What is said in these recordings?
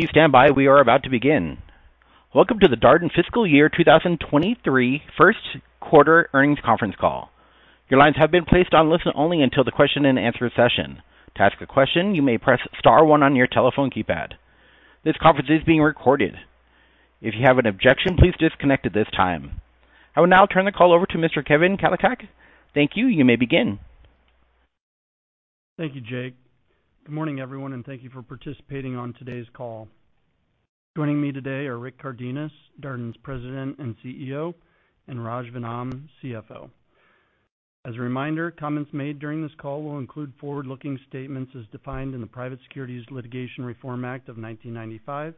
Please stand by. We are about to begin. Welcome to the Darden Fiscal Year 2023 First Quarter Earnings Conference Call. Your lines have been placed on listen-only until the question and answer session. To ask a question, you may press star one on your telephone keypad. This conference is being recorded. If you have an objection, please disconnect at this time. I will now turn the call over to Mr. Kevin Kalicak. Thank you. You may begin. Thank you, Jake. Good morning, everyone, and thank you for participating on today's call. Joining me today are Rick Cardenas, Darden's President and CEO, and Raj Vennam, CFO. As a reminder, comments made during this call will include forward-looking statements as defined in the Private Securities Litigation Reform Act of 1995.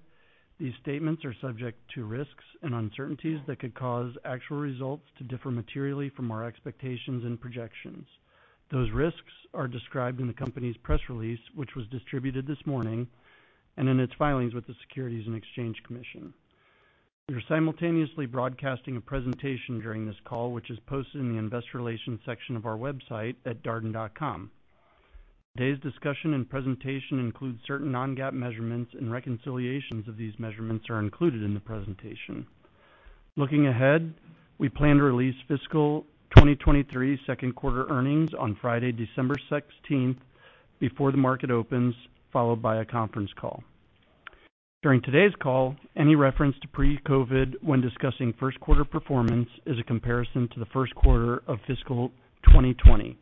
These statements are subject to risks and uncertainties that could cause actual results to differ materially from our expectations and projections. Those risks are described in the company's press release, which was distributed this morning, and in its filings with the Securities and Exchange Commission. We are simultaneously broadcasting a presentation during this call, which is posted in the Investor Relations section of our website at darden.com. Today's discussion and presentation includes certain non-GAAP measurements and reconciliations of these measurements are included in the presentation. Looking ahead, we plan to release fiscal 2023 second quarter earnings on Friday, December 16, before the market opens, followed by a conference call. During today's call, any reference to pre-COVID when discussing first quarter performance is a comparison to the first quarter of fiscal 2020.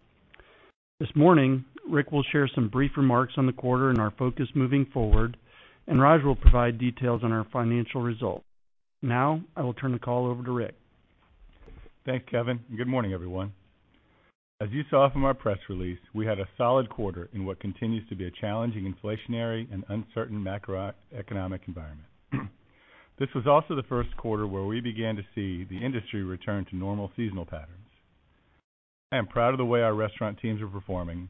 This morning, Rick will share some brief remarks on the quarter and our focus moving forward, and Raj will provide details on our financial results. Now, I will turn the call over to Rick. Thanks, Kevin. Good morning, everyone. As you saw from our press release, we had a solid quarter in what continues to be a challenging inflationary and uncertain macroeconomic environment. This was also the first quarter where we began to see the industry return to normal seasonal patterns. I am proud of the way our restaurant teams are performing.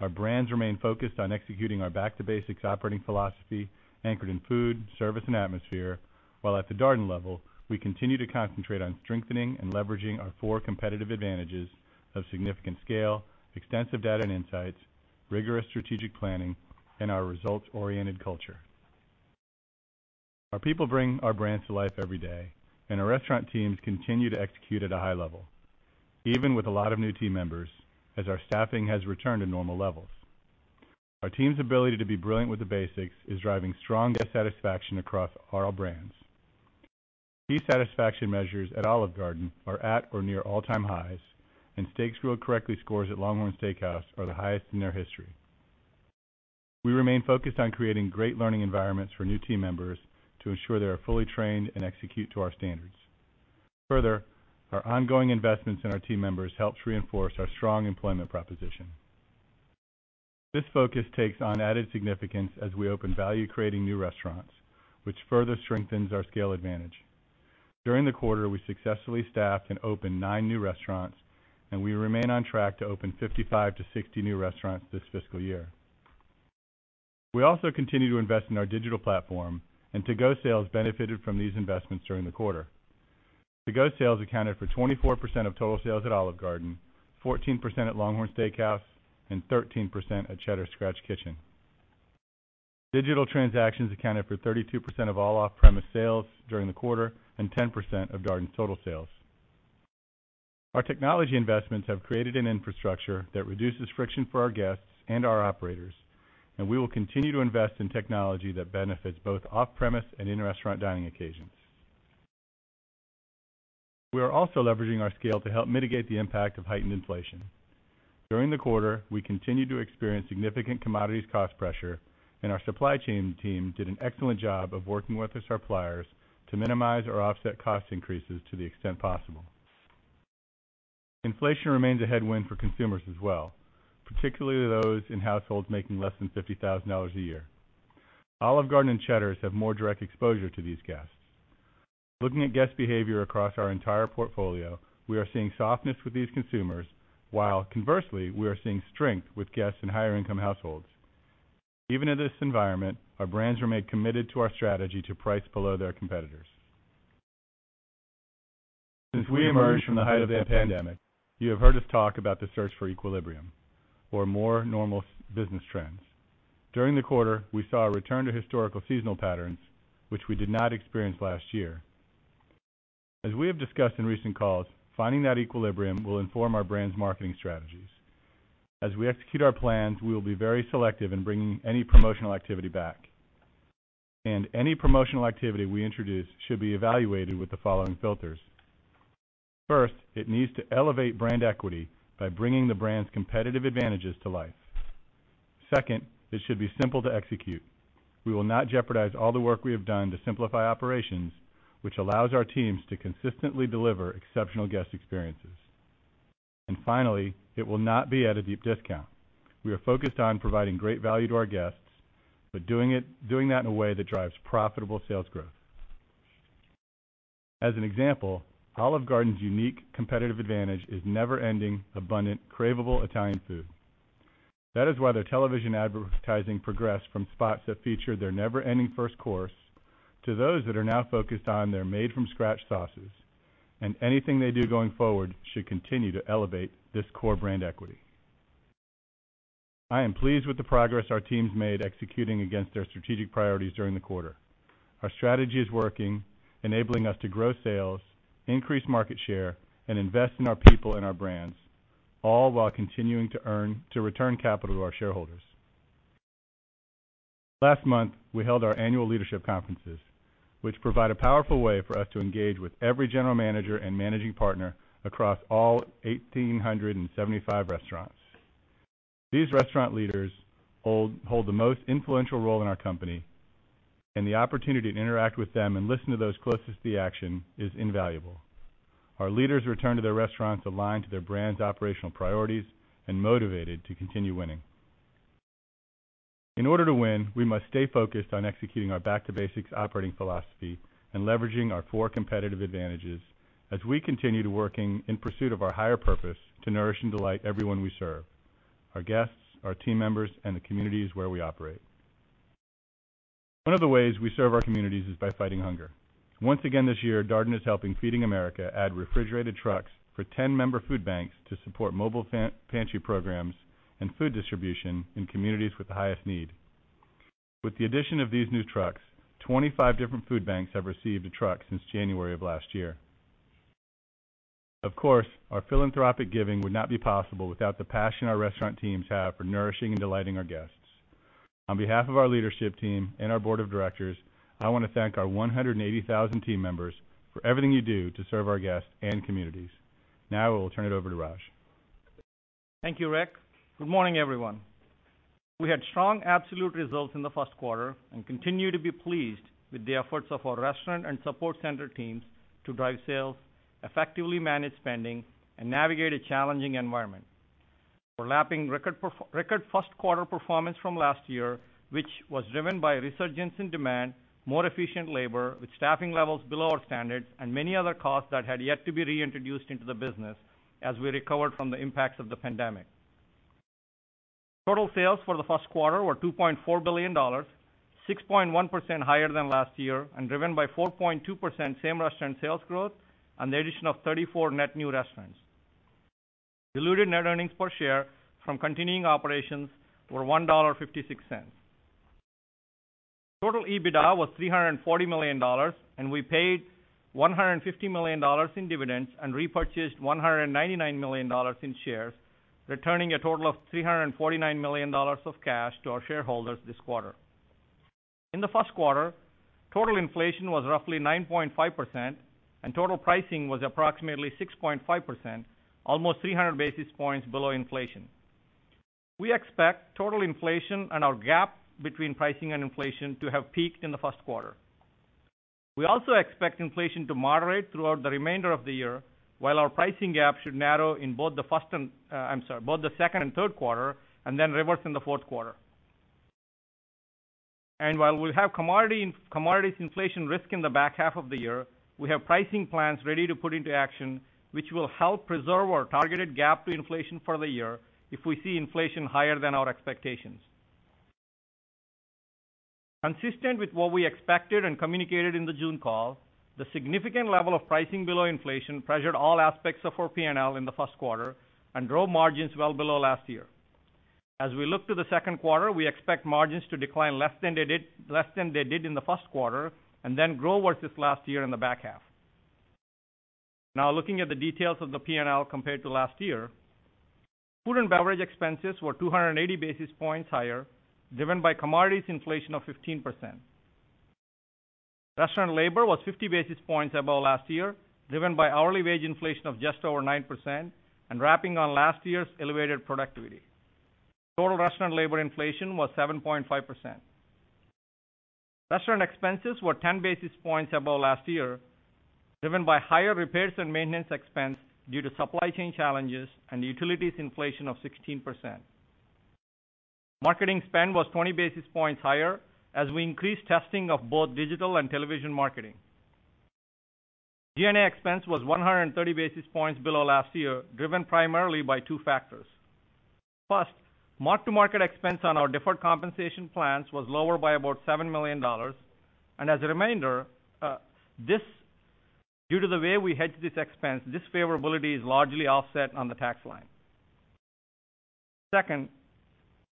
Our brands remain focused on executing our back-to-basics operating philosophy anchored in food, service, and atmosphere, while at the Darden level, we continue to concentrate on strengthening and leveraging our four competitive advantages of significant scale, extensive data and insights, rigorous strategic planning, and our results-oriented culture. Our people bring our brands to life every day, and our restaurant teams continue to execute at a high level, even with a lot of new team members, as our staffing has returned to normal levels. Our team's ability to be brilliant with the basics is driving strong guest satisfaction across our brands. These satisfaction measures at Olive Garden are at or near all-time highs, and steaks grilled correctly score at LongHorn Steakhouse are the highest in their history. We remain focused on creating great learning environments for new team members to ensure they are fully trained and execute to our standards. Further, our ongoing investments in our team members help reinforce our strong employment proposition. This focus takes on added significance as we open value-creating new restaurants, which further strengthens our scale advantage. During the quarter, we successfully staffed and opened nine new restaurants, and we remain on track to open 55-60 new restaurants this fiscal year. We also continue to invest in our digital platform and to-go sales benefited from these investments during the quarter. To Go sales accounted for 24% of total sales at Olive Garden, 14% at LongHorn Steakhouse, and 13% at Cheddar's Scratch Kitchen. Digital transactions accounted for 32% of all off-premise sales during the quarter and 10% of Darden's total sales. Our technology investments have created an infrastructure that reduces friction for our guests and our operators, and we will continue to invest in technology that benefits both off-premise and in-restaurant dining occasions. We are also leveraging our scale to help mitigate the impact of heightened inflation. During the quarter, we continued to experience significant commodities cost pressure, and our supply chain team did an excellent job of working with their suppliers to minimize or offset cost increases to the extent possible. Inflation remains a headwind for consumers as well, particularly those in households making less than $50,000 a year. Olive Garden and Cheddar's have more direct exposure to these guests. Looking at guest behavior across our entire portfolio, we are seeing softness with these consumers, while conversely, we are seeing strength with guests in higher income households. Even in this environment, our brands remain committed to our strategy to price below their competitors. Since we emerged from the height of the pandemic, you have heard us talk about the search for equilibrium or more normal business trends. During the quarter, we saw a return to historical seasonal patterns, which we did not experience last year. As we have discussed in recent calls, finding that equilibrium will inform our brand's marketing strategies. As we execute our plans, we will be very selective in bringing any promotional activity back. Any promotional activity we introduce should be evaluated with the following filters. First, it needs to elevate brand equity by bringing the brand's competitive advantages to life. Second, it should be simple to execute. We will not jeopardize all the work we have done to simplify operations, which allows our teams to consistently deliver exceptional guest experiences. Finally, it will not be at a deep discount. We are focused on providing great value to our guests, but doing that in a way that drives profitable sales growth. As an example, Olive Garden's unique competitive advantage is never-ending, abundant, craveable Italian food. That is why their television advertising progressed from spots that feature their never-ending first course to those that are now focused on their made-from-scratch sauces, and anything they do going forward should continue to elevate this core brand equity. I am pleased with the progress our team's made executing against their strategic priorities during the quarter. Our strategy is working, enabling us to grow sales, increase market share, and invest in our people and our brands, all while continuing to return capital to our shareholders. Last month, we held our annual leadership conferences, which provide a powerful way for us to engage with every general manager and managing partner across all 1,875 restaurants. These restaurant leaders hold the most influential role in our company, and the opportunity to interact with them and listen to those closest to the action is invaluable. Our leaders return to their restaurants aligned to their brand's operational priorities and motivated to continue winning. In order to win, we must stay focused on executing our back-to-basics operating philosophy and leveraging our four competitive advantages as we continue working in pursuit of our higher purpose to nourish and delight everyone we serve, our guests, our team members, and the communities where we operate. One of the ways we serve our communities is by fighting hunger. Once again, this year, Darden is helping Feeding America add refrigerated trucks for 10-member food banks to support mobile pantry programs and food distribution in communities with the highest need. With the addition of these new trucks, 25 different food banks have received a truck since January of last year. Of course, our philanthropic giving would not be possible without the passion our restaurant teams have for nourishing and delighting our guests. On behalf of our leadership team and our board of directors, I wanna thank our 180,000 team members for everything you do to serve our guests and communities. Now I will turn it over to Raj. Thank you, Rick. Good morning, everyone. We had strong absolute results in the first quarter and continue to be pleased with the efforts of our restaurant and support center teams to drive sales, effectively manage spending, and navigate a challenging environment. We're lapping record first quarter performance from last year, which was driven by a resurgence in demand, more efficient labor with staffing levels below our standards, and many other costs that had yet to be reintroduced into the business as we recovered from the impacts of the pandemic. Total sales for the first quarter were $2.4 billion, 6.1% higher than last year and driven by 4.2% same-restaurant sales growth and the addition of 34 net new restaurants. Diluted net earnings per share from continuing operations were $1.56. Total EBITDA was $340 million, and we paid $150 million in dividends and repurchased $199 million in shares, returning a total of $349 million of cash to our shareholders this quarter. In the first quarter, total inflation was roughly 9.5%, and total pricing was approximately 6.5%, almost 300 basis points below inflation. We expect total inflation and our gap between pricing and inflation to have peaked in the first quarter. We also expect inflation to moderate throughout the remainder of the year, while our pricing gap should narrow in both the second and third quarter, and then reverse in the fourth quarter. While we have commodities inflation risk in the back half of the year, we have pricing plans ready to put into action, which will help preserve our targeted gap to inflation for the year if we see inflation higher than our expectations. Consistent with what we expected and communicated in the June call, the significant level of pricing below inflation pressured all aspects of our P&L in the first quarter and drove margins well below last year. As we look to the second quarter, we expect margins to decline less than they did in the first quarter and then grow versus last year in the back half. Now looking at the details of the P&L compared to last year. Food and beverage expenses were 280 basis points higher, driven by commodities inflation of 15%. Restaurant labor was 50 basis points above last year, driven by hourly wage inflation of just over 9% and wrapping on last year's elevated productivity. Total restaurant labor inflation was 7.5%. Restaurant expenses were 10 basis points above last year, driven by higher repairs and maintenance expense due to supply chain challenges and utilities inflation of 16%. Marketing spend was 20 basis points higher as we increased testing of both digital and television marketing. G&A expense was 130 basis points below last year, driven primarily by two factors. First, mark-to-market expense on our deferred compensation plans was lower by about $7 million, and as a reminder, due to the way we hedge this expense, this favorability is largely offset on the tax line. Second,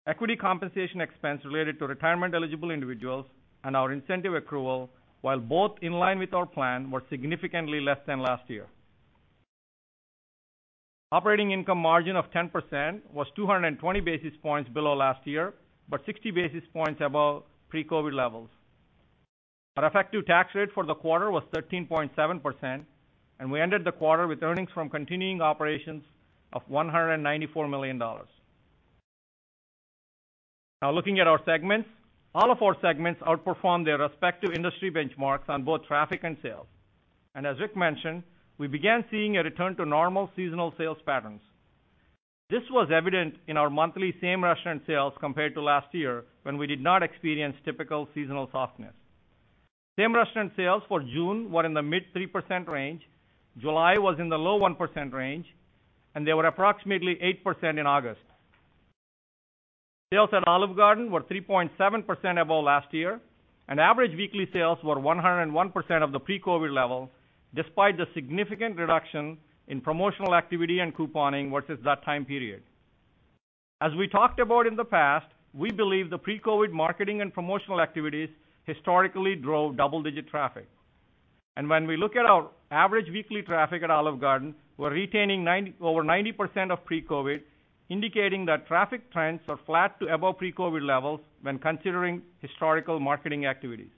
equity compensation expense related to retirement-eligible individuals and our incentive accrual, while both in line with our plan, were significantly less than last year. Operating income margin of 10% was 220 basis points below last year, but 60 basis points above pre-COVID levels. Our effective tax rate for the quarter was 13.7%, and we ended the quarter with earnings from continuing operations of $194 million. Now looking at our segments, all of our segments outperformed their respective industry benchmarks on both traffic and sales. As Rick mentioned, we began seeing a return to normal seasonal sales patterns. This was evident in our monthly same-restaurant sales compared to last year when we did not experience typical seasonal softness. Same-restaurant sales for June were in the mid-3% range, July was in the low-1% range, and they were approximately 8% in August. Sales at Olive Garden were 3.7% above last year, and average weekly sales were 101% of the pre-COVID levels despite the significant reduction in promotional activity and couponing versus that time period. As we talked about in the past, we believe the pre-COVID marketing and promotional activities historically drove double-digit traffic. When we look at our average weekly traffic at Olive Garden, we're retaining over 90% of pre-COVID, indicating that traffic trends are flat to above pre-COVID levels when considering historical marketing activities.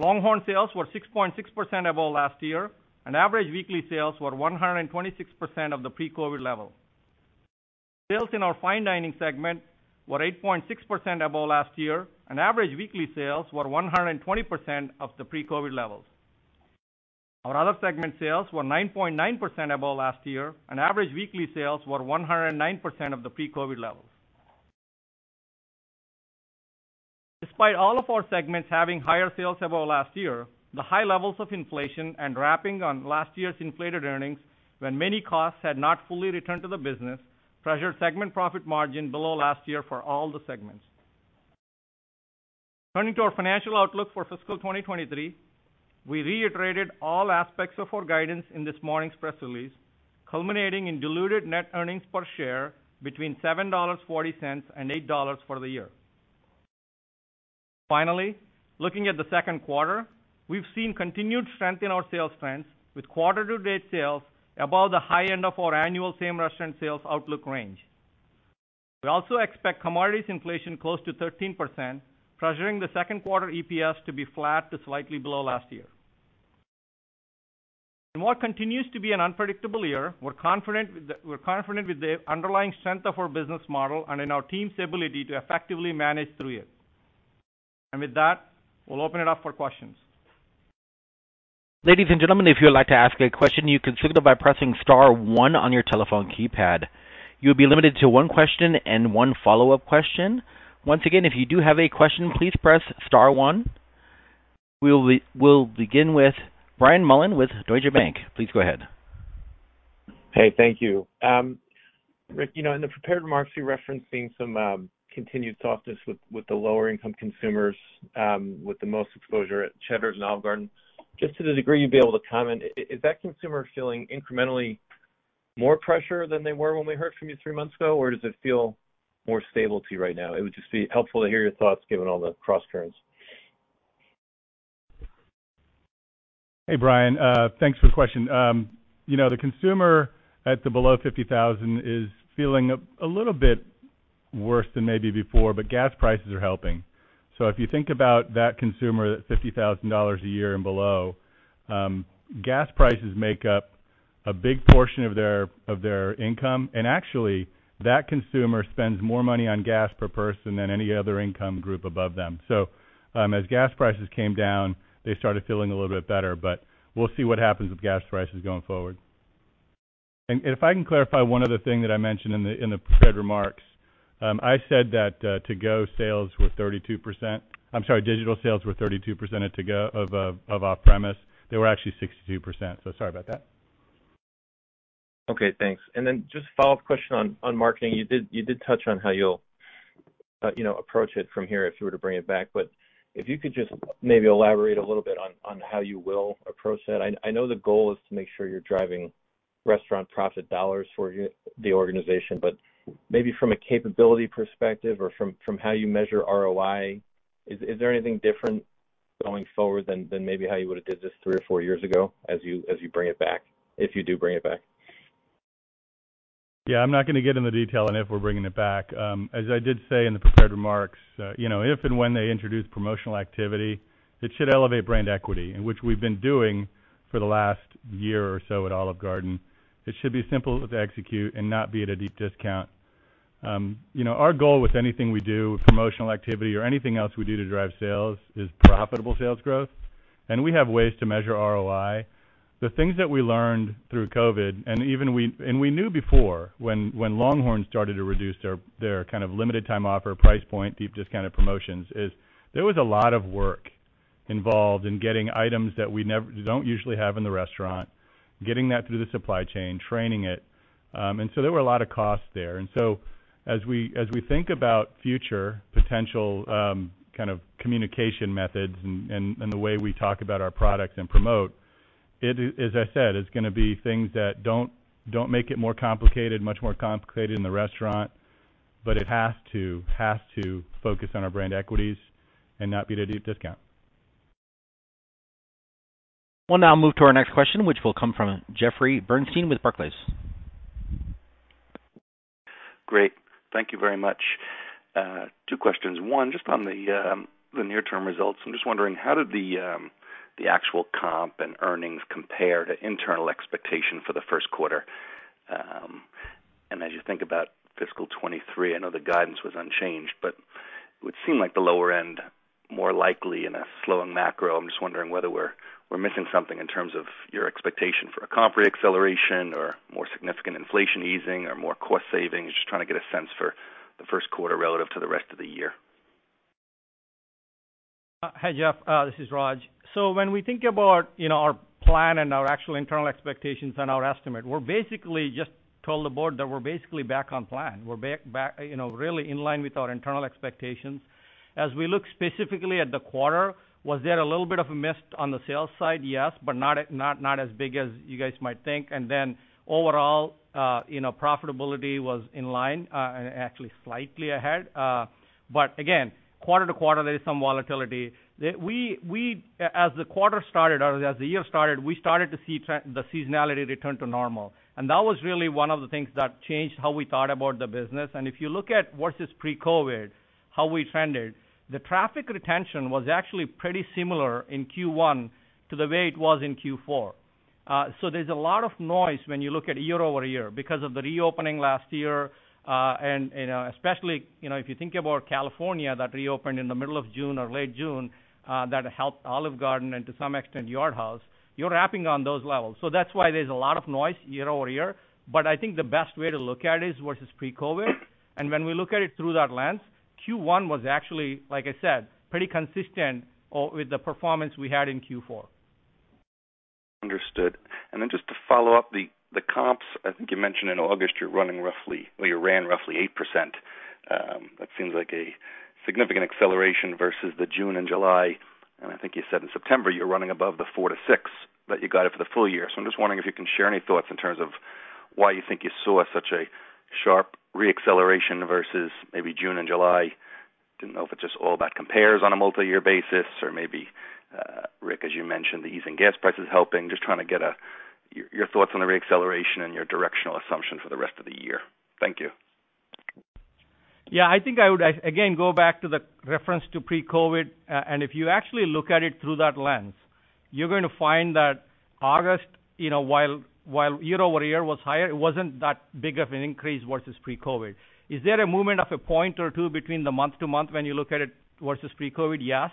LongHorn sales were 6.6% above last year, and average weekly sales were 126% of the pre-COVID level. Sales in our fine dining segment were 8.6% above last year, and average weekly sales were 120% of the pre-COVID levels. Our other segment sales were 9.9% above last year, and average weekly sales were 109% of the pre-COVID levels. Despite all of our segments having higher sales above last year, the high levels of inflation and lapping on last year's inflated earnings when many costs had not fully returned to the business pressured segment profit margin below last year for all the segments. Turning to our financial outlook for fiscal 2023, we reiterated all aspects of our guidance in this morning's press release, culminating in diluted net earnings per share between $7.40 and $8 for the year. Finally, looking at the second quarter, we've seen continued strength in our sales trends with quarter-to-date sales above the high end of our annual same-restaurant sales outlook range. We also expect commodities inflation close to 13%, pressuring the second quarter EPS to be flat to slightly below last year. In what continues to be an unpredictable year, we're confident with the underlying strength of our business model and in our team's ability to effectively manage through it. With that, we'll open it up for questions. Ladies and gentlemen, if you would like to ask a question, you can signal by pressing star one on your telephone keypad. You'll be limited to one question and one follow-up question. Once again, if you do have a question, please press star one. We'll begin with Brian Mullan with Deutsche Bank. Please go ahead. Hey, thank you. Rick, you know, in the prepared remarks, you're referencing some continued softness with the lower income consumers with the most exposure at Cheddar's and Olive Garden. Just to the degree you'd be able to comment, is that consumer feeling incrementally more pressure than they were when we heard from you three months ago? Or does it feel more stable to you right now? It would just be helpful to hear your thoughts given all the crosscurrents. Hey, Brian, thanks for the question. You know, the consumer at below 50,000 is feeling a little bit worse than maybe before, but gas prices are helping. If you think about that consumer at $50,000 a year and below, gas prices make up a big portion of their income. Actually, that consumer spends more money on gas per person than any other income group above them. As gas prices came down, they started feeling a little bit better, but we'll see what happens with gas prices going forward. If I can clarify one other thing that I mentioned in the prepared remarks, I said that to-go sales were 32%. I'm sorry, digital sales were 32% at to-go of off-premise. They were actually 62%.Sorry about that. Okay, thanks. Just a follow-up question on marketing. You did touch on how you'll you know approach it from here if you were to bring it back. If you could just maybe elaborate a little bit on how you will approach that. I know the goal is to make sure you're driving restaurant profit dollars for the organization, but maybe from a capability perspective or from how you measure ROI, is there anything different going forward than maybe how you would have did this three or four years ago as you bring it back, if you do bring it back? Yeah, I'm not gonna get into detail on if we're bringing it back. As I did say in the prepared remarks, you know, if and when they introduce promotional activity, it should elevate brand equity, and which we've been doing for the last year or so at Olive Garden. It should be simple to execute and not be at a deep discount. You know, our goal with anything we do, promotional activity or anything else we do to drive sales, is profitable sales growth. We have ways to measure ROI. The things that we learned through COVID, and we knew before when LongHorn started to reduce their kind of limited time offer, price point, deep discounted promotions, is there was a lot of work involved in getting items that we don't usually have in the restaurant, getting that through the supply chain, training it. There were a lot of costs there. As we think about future potential, kind of communication methods and the way we talk about our products and promote, it is, as I said, gonna be things that don't make it more complicated, much more complicated in the restaurant, but it has to focus on our brand equities and not be at a deep discount. We'll now move to our next question, which will come from Jeffrey Bernstein with Barclays. Great. Thank you very much. Two questions. One, just on the near-term results. I'm just wondering, how did the actual comp and earnings compare to internal expectation for the first quarter? As you think about fiscal 2023, I know the guidance was unchanged, but it would seem like the lower end more likely in a slowing macro. I'm just wondering whether we're missing something in terms of your expectation for a comp re-acceleration or more significant inflation easing or more cost savings. Just trying to get a sense for the first quarter relative to the rest of the year. Hi, Jeff. This is Raj. When we think about, you know, our plan and our actual internal expectations and our estimate, we're basically just told the board that we're basically back on plan. We're back, you know, really in line with our internal expectations. As we look specifically at the quarter, was there a little bit of a miss on the sales side? Yes, but not as big as you guys might think. Overall, you know, profitability was in line, actually slightly ahead. Again, quarter to quarter, there is some volatility. As the quarter started or as the year started, we started to see the seasonality return to normal. That was really one of the things that changed how we thought about the business. If you look at versus pre-COVID, how we trended, the traffic retention was actually pretty similar in Q1 to the way it was in Q4. There's a lot of noise when you look at year-over-year because of the reopening last year, and especially, you know, if you think about California that reopened in the middle of June or late June, that helped Olive Garden and to some extent, Yard House, we're lapping those levels. That's why there's a lot of noise year-over-year. I think the best way to look at it is versus pre-COVID. When we look at it through that lens, Q1 was actually, like I said, pretty consistent with the performance we had in Q4. Understood. Then just to follow up, the comps, I think you mentioned in August, you're running roughly or you ran roughly 8%. That seems like a significant acceleration versus the June and July. I think you said in September, you're running above the 4%-6% that you got it for the full year. I'm just wondering if you can share any thoughts in terms of why you think you saw such a sharp re-acceleration versus maybe June and July. Didn't know if it's just all about compares on a multi-year basis or maybe, Rick, as you mentioned, the ease in gas prices helping. Just trying to get your thoughts on the re-acceleration and your directional assumption for the rest of the year. Thank you. Yeah, I think I would again go back to the reference to pre-COVID. And if you actually look at it through that lens, you're gonna find that August, you know, while year over year was higher, it wasn't that big of an increase versus pre-COVID. Is there a movement of a point or two between the month to month when you look at it versus pre-COVID? Yes.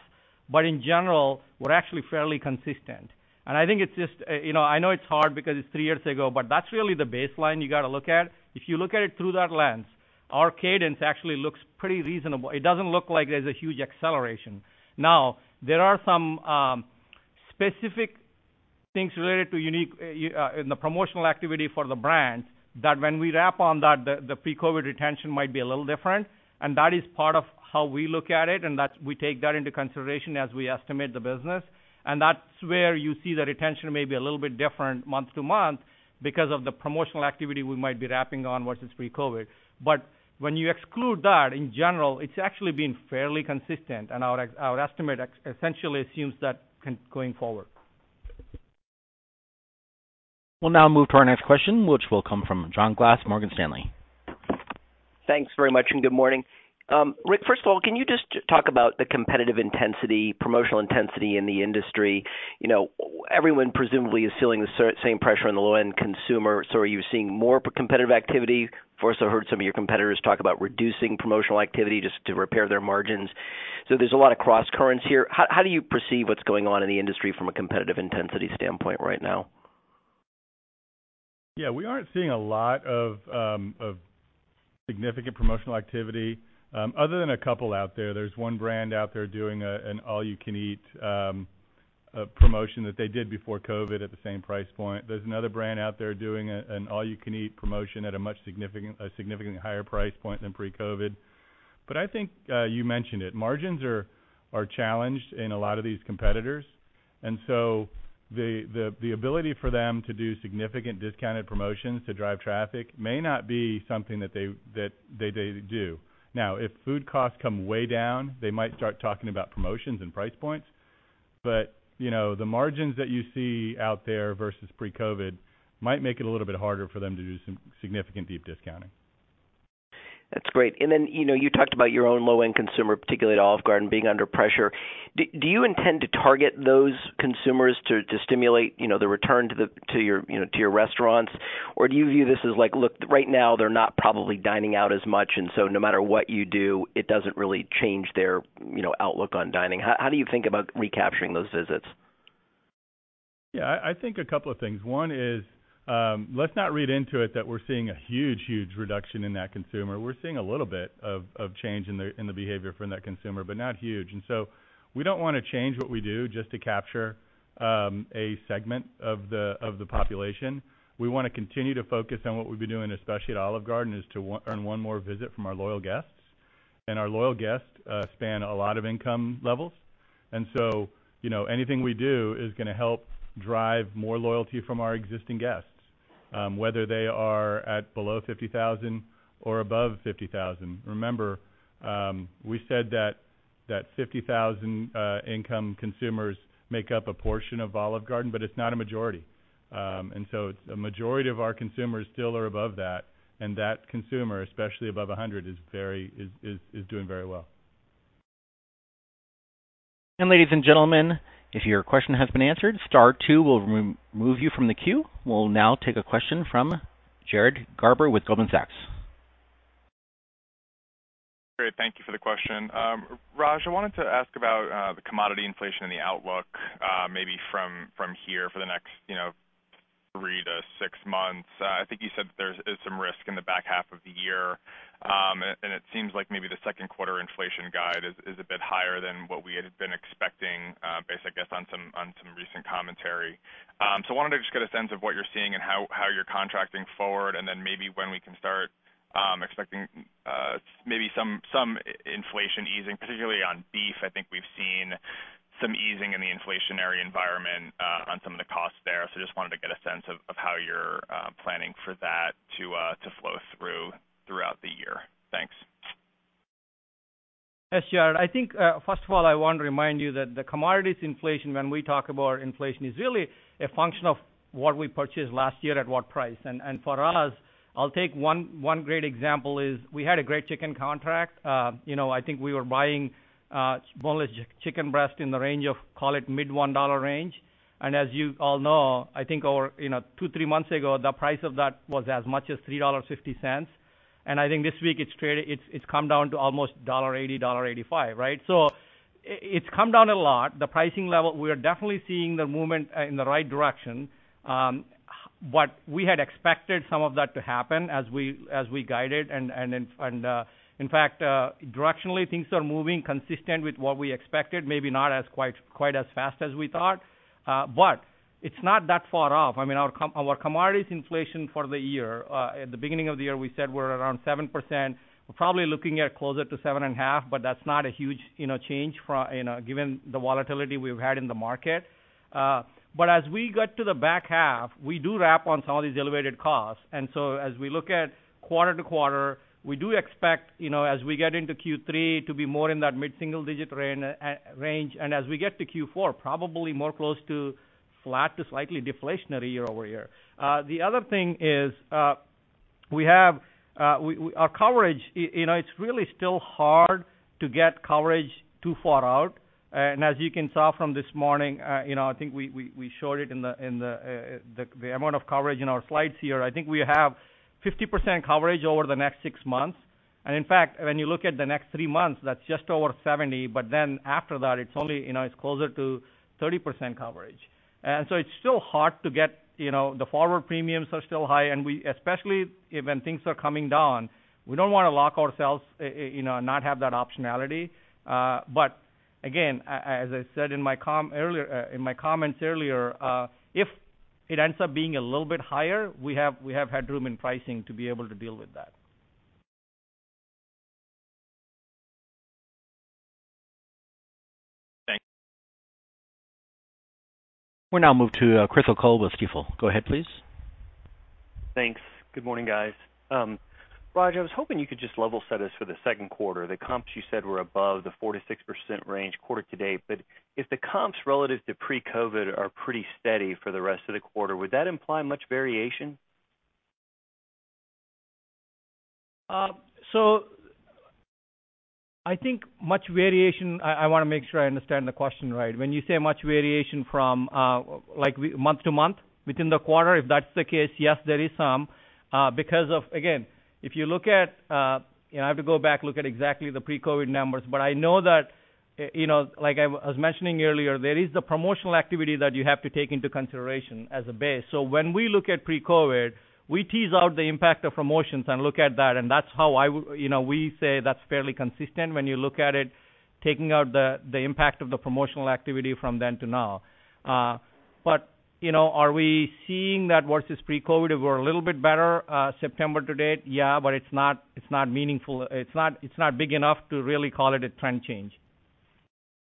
But in general, we're actually fairly consistent. I think it's just, you know, I know it's hard because it's three years ago, but that's really the baseline you got to look at. If you look at it through that lens, our cadence actually looks pretty reasonable. It doesn't look like there's a huge acceleration. Now, there are some specific things related to unique in the promotional activity for the brand that when we wrap on that, the pre-COVID retention might be a little different, and that is part of how we look at it, and that we take that into consideration as we estimate the business. That's where you see the retention may be a little bit different month to month because of the promotional activity we might be wrapping on versus pre-COVID. When you exclude that, in general, it's actually been fairly consistent, and our estimate essentially assumes that going forward. We'll now move to our next question, which will come from John Glass, Morgan Stanley. Thanks very much, and good morning. Rick, first of all, can you just talk about the competitive intensity, promotional intensity in the industry? You know, everyone presumably is feeling the same pressure on the low-end consumer. Are you seeing more competitive activity? Of course, I heard some of your competitors talk about reducing promotional activity just to repair their margins. There's a lot of crosscurrents here. How do you perceive what's going on in the industry from a competitive intensity standpoint right now? Yeah, we aren't seeing a lot of significant promotional activity other than a couple out there. There's one brand out there doing an all you can eat promotion that they did before COVID at the same price point. There's another brand out there doing an all you can eat promotion at a significantly higher price point than pre-COVID. I think you mentioned it. Margins are challenged in a lot of these competitors. The ability for them to do significant discounted promotions to drive traffic may not be something that they do. Now, if food costs come way down, they might start talking about promotions and price points. You know, the margins that you see out there versus pre-COVID might make it a little bit harder for them to do some significant deep discounting. That's great. You know, you talked about your own low-end consumer, particularly at Olive Garden, being under pressure. Do you intend to target those consumers to stimulate, you know, the return to your, you know, to your restaurants? Or do you view this as like, look, right now they're not probably dining out as much, and so no matter what you do, it doesn't really change their, you know, outlook on dining. How do you think about recapturing those visits? Yeah. I think a couple of things. One is, let's not read into it that we're seeing a huge reduction in that consumer. We're seeing a little bit of change in the behavior from that consumer, but not huge. We don't wanna change what we do just to capture a segment of the population. We wanna continue to focus on what we've been doing, especially at Olive Garden, to earn one more visit from our loyal guests. Our loyal guests span a lot of income levels. You know, anything we do is gonna help drive more loyalty from our existing guests, whether they are at below $50,000 or above $50,000.Remember, we said that 50,000 income consumers make up a portion of Olive Garden, but it's not a majority. A majority of our consumers still are above that, and that consumer, especially above 100, is doing very well. Ladies and gentlemen, if your question has been answered, star two will re-remove you from the queue. We'll now take a question from Jared Garber with Goldman Sachs. Great. Thank you for the question. Raj, I wanted to ask about the commodity inflation and the outlook, maybe from here for the next three to six months. I think you said that there is some risk in the back half of the year, and it seems like maybe the second quarter inflation guide is a bit higher than what we had been expecting, based, I guess, on some recent commentary. Wanted to just get a sense of what you're seeing and how you're contracting forward, and then maybe when we can start expecting maybe some inflation easing, particularly on beef. I think we've seen some easing in the inflationary environment on some of the costs there. Just wanted to get a sense of how you're planning for that to flow through throughout the year. Thanks. Yes, Jared. I think, first of all, I want to remind you that the commodities inflation, when we talk about inflation, is really a function of what we purchased last year at what price. For us, I'll take one great example is we had a great chicken contract. You know, I think we were buying boneless chicken breast in the range of, call it, mid-$1 range. As you all know, I think, you know, two to three months ago, the price of that was as much as $3.50. I think this week it's traded, it's come down to almost $1.80-$1.85, right? It's come down a lot. The pricing level, we are definitely seeing the movement in the right direction. We had expected some of that to happen as we guided. In fact, directionally, things are moving consistent with what we expected, maybe not quite as fast as we thought, but it's not that far off. I mean, our commodities inflation for the year, at the beginning of the year, we said we're around 7%. We're probably looking at closer to 7.5%, but that's not a huge, you know, change, you know, given the volatility we've had in the market. But as we get to the back half, we do wrap on some of these elevated costs. So as we look at quarter-over-quarter, we do expect, you know, as we get into Q3 to be more in that mid-single-digit range. As we get to Q4, probably more close to flat to slightly deflationary year-over-year. The other thing is, we have our coverage, you know, it's really still hard to get coverage too far out. As you can tell from this morning, you know, I think we showed it in the amount of coverage in our slides here. I think we have 50% coverage over the next six months. In fact, when you look at the next three months, that's just over 70%, but then after that, it's only, you know, it's closer to 30% coverage. It's still hard to get, you know, the forward premiums are still high, and especially when things are coming down, we don't wanna lock ourselves, you know, not have that optionality. Again, as I said in my comments earlier, if it ends up being a little bit higher, we have headroom in pricing to be able to deal with that. Thanks. We'll now move to Chris O'Cull with Stifel. Go ahead, please. Thanks. Good morning, guys. Raj, I was hoping you could just level set us for the second quarter. The comps you said were above the 4%-6% range quarter to date. If the comps relative to pre-COVID are pretty steady for the rest of the quarter, would that imply much variation? I think much variation. I wanna make sure I understand the question right. When you say much variation from, like, month to month within the quarter, if that's the case, yes, there is some, because of, again, if you look at, you know, I have to go back, look at exactly the pre-COVID numbers. I know that, you know, like I was mentioning earlier, there is the promotional activity that you have to take into consideration as a base. When we look at pre-COVID, we tease out the impact of promotions and look at that, and that's how you know, we say that's fairly consistent when you look at it, taking out the impact of the promotional activity from then to now. You know, are we seeing that versus pre-COVID? We're a little bit better September to date. Yeah, but it's not meaningful. It's not big enough to really call it a trend change.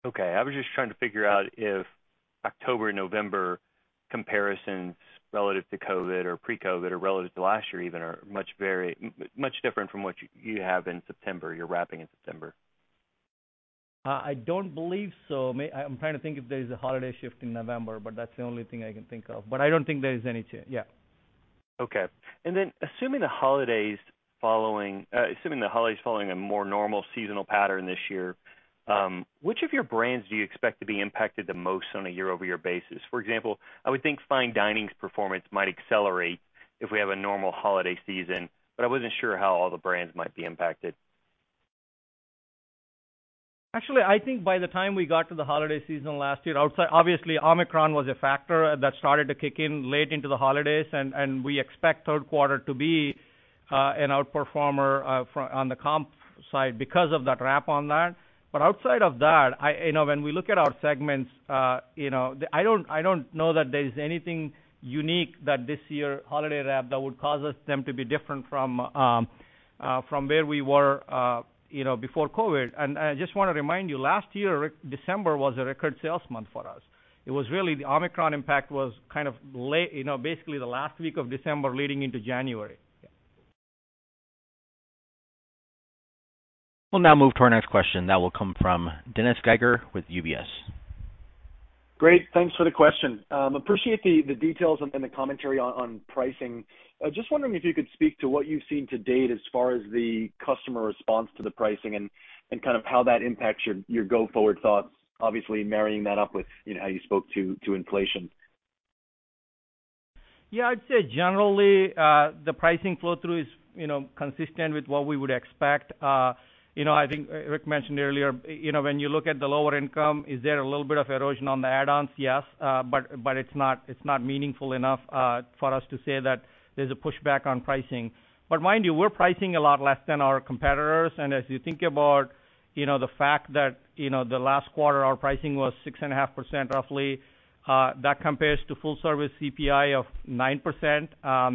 Okay. I was just trying to figure out if October, November comparisons relative to COVID or pre-COVID or relative to last year even are much different from what you have in September, you're wrapping in September. I don't believe so. I'm trying to think if there is a holiday shift in November, but that's the only thing I can think of. I don't think there is any change. Yeah. Okay. Assuming the holidays following a more normal seasonal pattern this year, which of your brands do you expect to be impacted the most on a year-over-year basis? For example, I would think fine dining's performance might accelerate if we have a normal holiday season, but I wasn't sure how all the brands might be impacted. Actually, I think by the time we got to the holiday season last year, outside, obviously, Omicron was a factor that started to kick in late into the holidays, and we expect third quarter to be an outperformer on the comp side because of that wrap on that. But outside of that, I, you know, when we look at our segments, you know, I don't know that there is anything unique that this year holiday wrap that would cause them to be different from from where we were, you know, before COVID. I just wanna remind you, last year, December was a record sales month for us. It was really, the Omicron impact was kind of late, you know, basically the last week of December leading into January. We'll now move to our next question. That will come from Dennis Geiger with UBS. Great. Thanks for the question. Appreciate the details and the commentary on pricing. Just wondering if you could speak to what you've seen to date as far as the customer response to the pricing and kind of how that impacts your go-forward thoughts, obviously marrying that up with, you know, how you spoke to inflation. Yeah, I'd say generally, the pricing flow-through is, you know, consistent with what we would expect. You know, I think Rick mentioned earlier, you know, when you look at the lower-income, is there a little bit of erosion on the add-ons? Yes. It's not meaningful enough for us to say that there's a pushback on pricing. Mind you, we're pricing a lot less than our competitors. As you think about, you know, the fact that, you know, the last quarter our pricing was 6.5% roughly, that compares to full-service CPI of 9%.I'll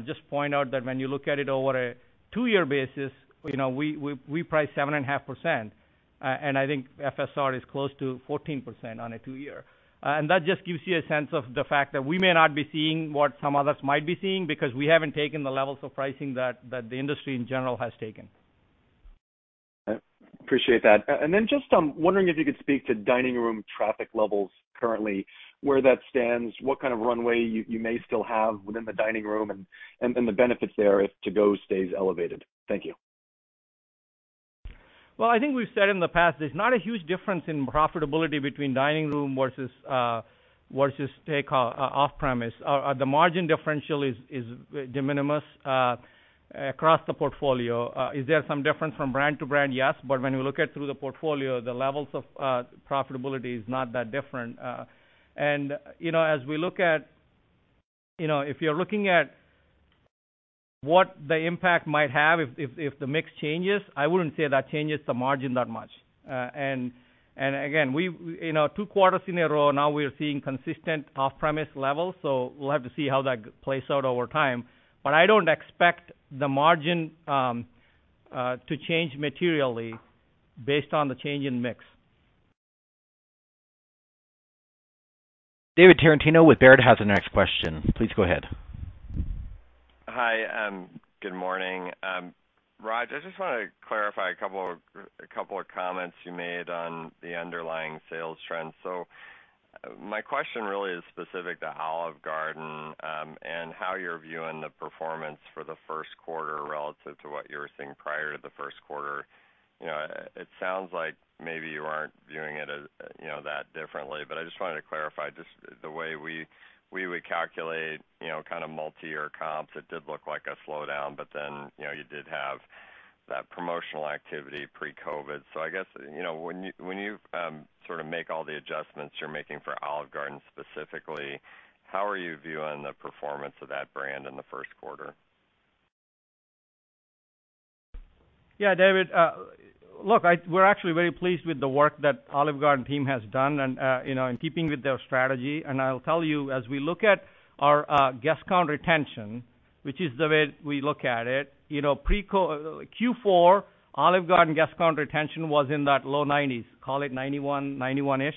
just point out that when you look at it over a two-year basis, you know, we price 7.5%, and I think FSR is close to 14% on a two-year. That just gives you a sense of the fact that we may not be seeing what some others might be seeing because we haven't taken the levels of pricing that the industry in general has taken. Appreciate that. Just wondering if you could speak to dining room traffic levels currently, where that stands, what kind of runway you may still have within the dining room and the benefits there if to-go stays elevated. Thank you. Well, I think we've said in the past, there's not a huge difference in profitability between dining room versus takeout, off-premise. The margin differential is de minimis across the portfolio. Is there some difference from brand to brand? Yes. When we look through the portfolio, the levels of profitability is not that different. You know, as we look at, you know, if you're looking at what the impact might have if the mix changes, I wouldn't say that changes the margin that much. Again, we've in our two quarters in a row now we are seeing consistent off-premise levels, so we'll have to see how that plays out over time. I don't expect the margin to change materially based on the change in mix. David Tarantino with Baird has the next question. Please go ahead. Hi, good morning. Raj, I just want to clarify a couple of comments you made on the underlying sales trends. My question really is specific to Olive Garden, and how you're viewing the performance for the first quarter relative to what you were seeing prior to the first quarter. You know, it sounds like maybe you aren't viewing it as, you know, that differently, but I just wanted to clarify just the way we would calculate, you know, kind of multi-year comps. It did look like a slowdown, but then, you know, you did have that promotional activity pre-COVID. I guess, you know, when you sort of make all the adjustments you're making for Olive Garden specifically, how are you viewing the performance of that brand in the first quarter? Yeah, David, look, we're actually very pleased with the work that Olive Garden team has done and, you know, in keeping with their strategy. I'll tell you, as we look at our guest count retention, which is the way we look at it, you know, pre-COVID Q4, Olive Garden guest count retention was in that low 90s, call it 91-ish.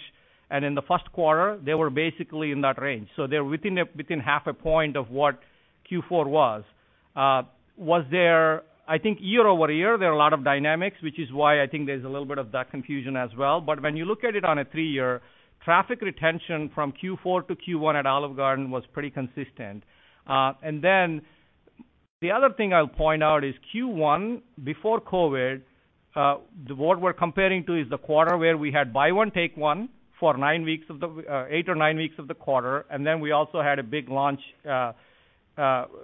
In the first quarter, they were basically in that range. They're within half a point of what Q4 was. I think year over year, there are a lot of dynamics, which is why I think there's a little bit of that confusion as well. When you look at it on a three year, traffic retention from Q4 to Q1 at Olive Garden was pretty consistent. The other thing I'll point out is Q1, before COVID, what we're comparing to is the quarter where we had Buy One Take One for nine weeks, eight or nine weeks of the quarter. We also had a big launch,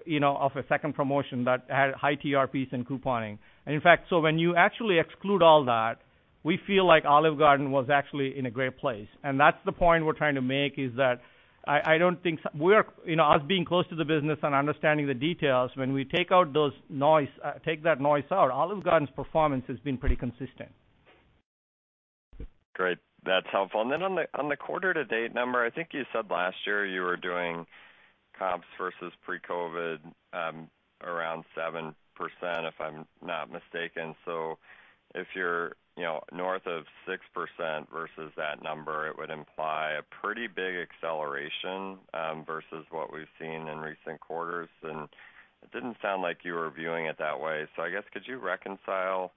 you know, of a second promotion that had high TRPs and couponing. In fact, when you actually exclude all that, we feel like Olive Garden was actually in a great place. That's the point we're trying to make, is that I don't think we're, you know, us being close to the business and understanding the details, when we take that noise out, Olive Garden's performance has been pretty consistent. Great. That's helpful. On the quarter to date number, I think you said last year you were doing comps versus pre-COVID around 7%, if I'm not mistaken. If you're, you know, north of 6% versus that number, it would imply a pretty big acceleration versus what we've seen in recent quarters, and it didn't sound like you were viewing it that way. I guess could you reconcile,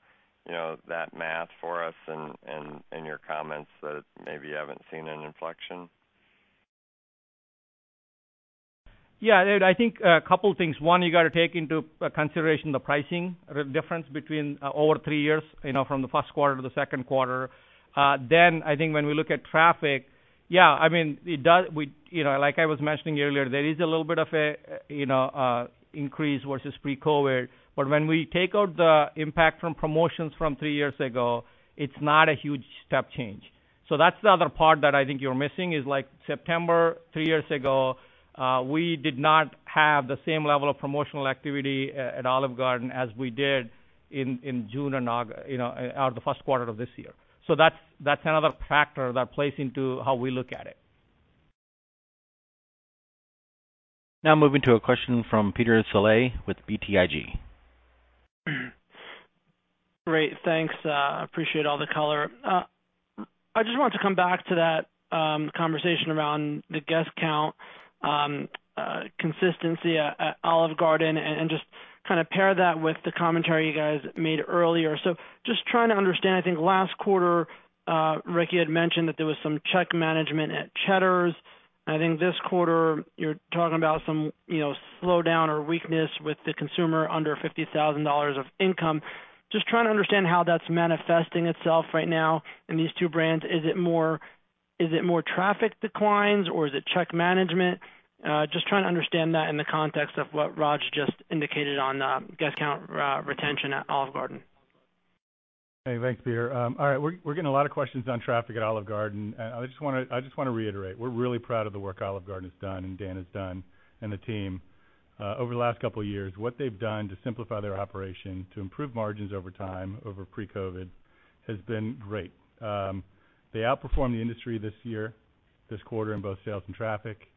you know, that math for us in your comments that maybe you haven't seen an inflection? Yeah. I think a couple of things. One, you got to take into consideration the pricing difference between over three years, you know, from the first quarter to the second quarter. Then I think when we look at traffic, yeah, I mean, it does, you know, like I was mentioning earlier, there is a little bit of a, you know, a increase versus pre-COVID, but when we take out the impact from promotions from three years ago, it's not a huge step change. So that's the other part that I think you're missing, is like September three years ago, we did not have the same level of promotional activity at Olive Garden as we did in June and, you know, the first quarter of this year. So that's another factor that plays into how we look at it. Now moving to a question from Peter Saleh with BTIG. Great. Thanks. Appreciate all the color. I just want to come back to that conversation around the guest count consistency at Olive Garden and just kind of pair that with the commentary you guys made earlier. Just trying to understand, I think last quarter, Rick had mentioned that there was some check management at Cheddar's. I think this quarter you're talking about some, you know, slowdown or weakness with the consumer under $50,000 of income. Just trying to understand how that's manifesting itself right now in these two brands. Is it more traffic declines or is it check management? Just trying to understand that in the context of what Raj just indicated on guest count retention at Olive Garden. Hey, thanks, Peter. All right. We're getting a lot of questions on traffic at Olive Garden. I just wanna reiterate, we're really proud of the work Olive Garden has done and Dan has done and the team over the last couple of years. What they've done to simplify their operation to improve margins over time over pre-COVID has been great. They outperformed the industry this year, this quarter in both sales and traffic.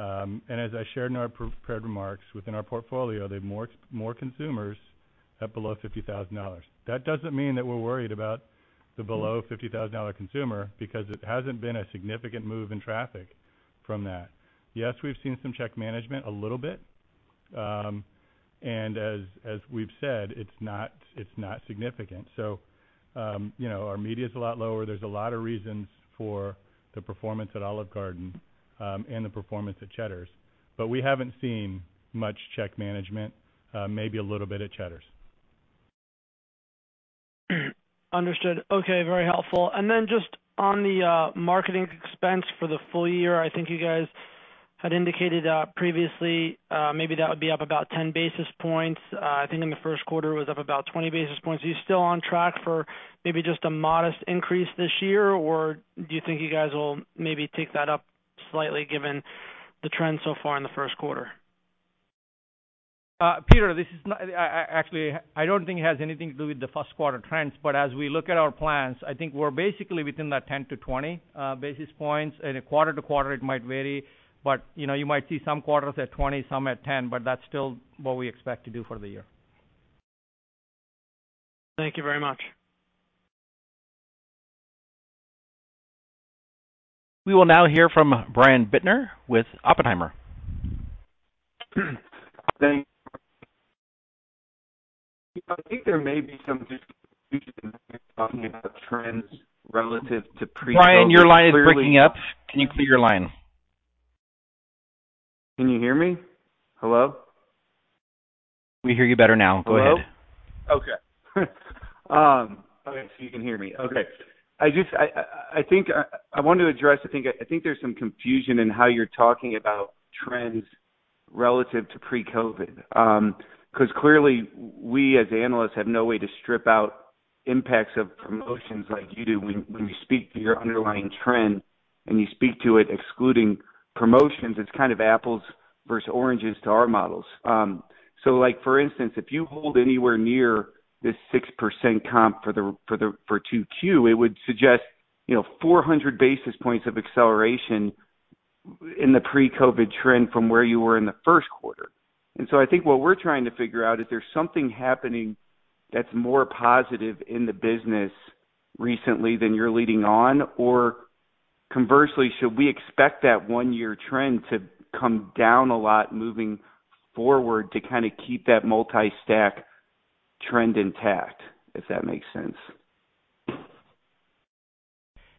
As I shared in our prepared remarks, within our portfolio, they've more consumers at below $50,000. That doesn't mean that we're worried about the below $50,000 consumer because it hasn't been a significant move in traffic from that. Yes, we've seen some check management a little bit, and as we've said, it's not significant. You know, our media is a lot lower. There's a lot of reasons for the performance at Olive Garden, and the performance at Cheddar's. But we haven't seen much check management, maybe a little bit at Cheddar's. Understood. Okay. Very helpful. Just on the marketing expense for the full year, I think you guys had indicated previously, maybe that would be up about 10 basis points. I think in the first quarter was up about 20 basis points. Are you still on track for maybe just a modest increase this year, or do you think you guys will maybe take that up slightly given the trends so far in the first quarter? Peter, I don't think it has anything to do with the first quarter trends, but as we look at our plans, I think we're basically within that 10-20 basis points. In a quarter-to-quarter, it might vary, but, you know, you might see some quarters at 20, some at 10, but that's still what we expect to do for the year. Thank you very much. We will now hear from Brian Bittner with Oppenheimer. Thank you. I think there may be some talking about trends relative to. Brian, your line is breaking up. Can you clear your line? Can you hear me? Hello? We hear you better now. Go ahead. Okay, so you can hear me. I want to address. I think there's some confusion in how you're talking about trends relative to pre-COVID. 'Cause clearly we as analysts have no way to strip out impacts of promotions like you do when you speak to your underlying trend and you speak to it excluding promotions, it's kind of apples versus oranges to our models. So like for instance, if you hold anywhere near this 6% comp for Q2, it would suggest, you know, 400 basis points of acceleration in the pre-COVID trend from where you were in the first quarter. I think what we're trying to figure out, is there something happening that's more positive in the business recently than you're leading on? Conversely, should we expect that one year trend to come down a lot moving forward to kinda keep that multi-stack trend intact, if that makes sense?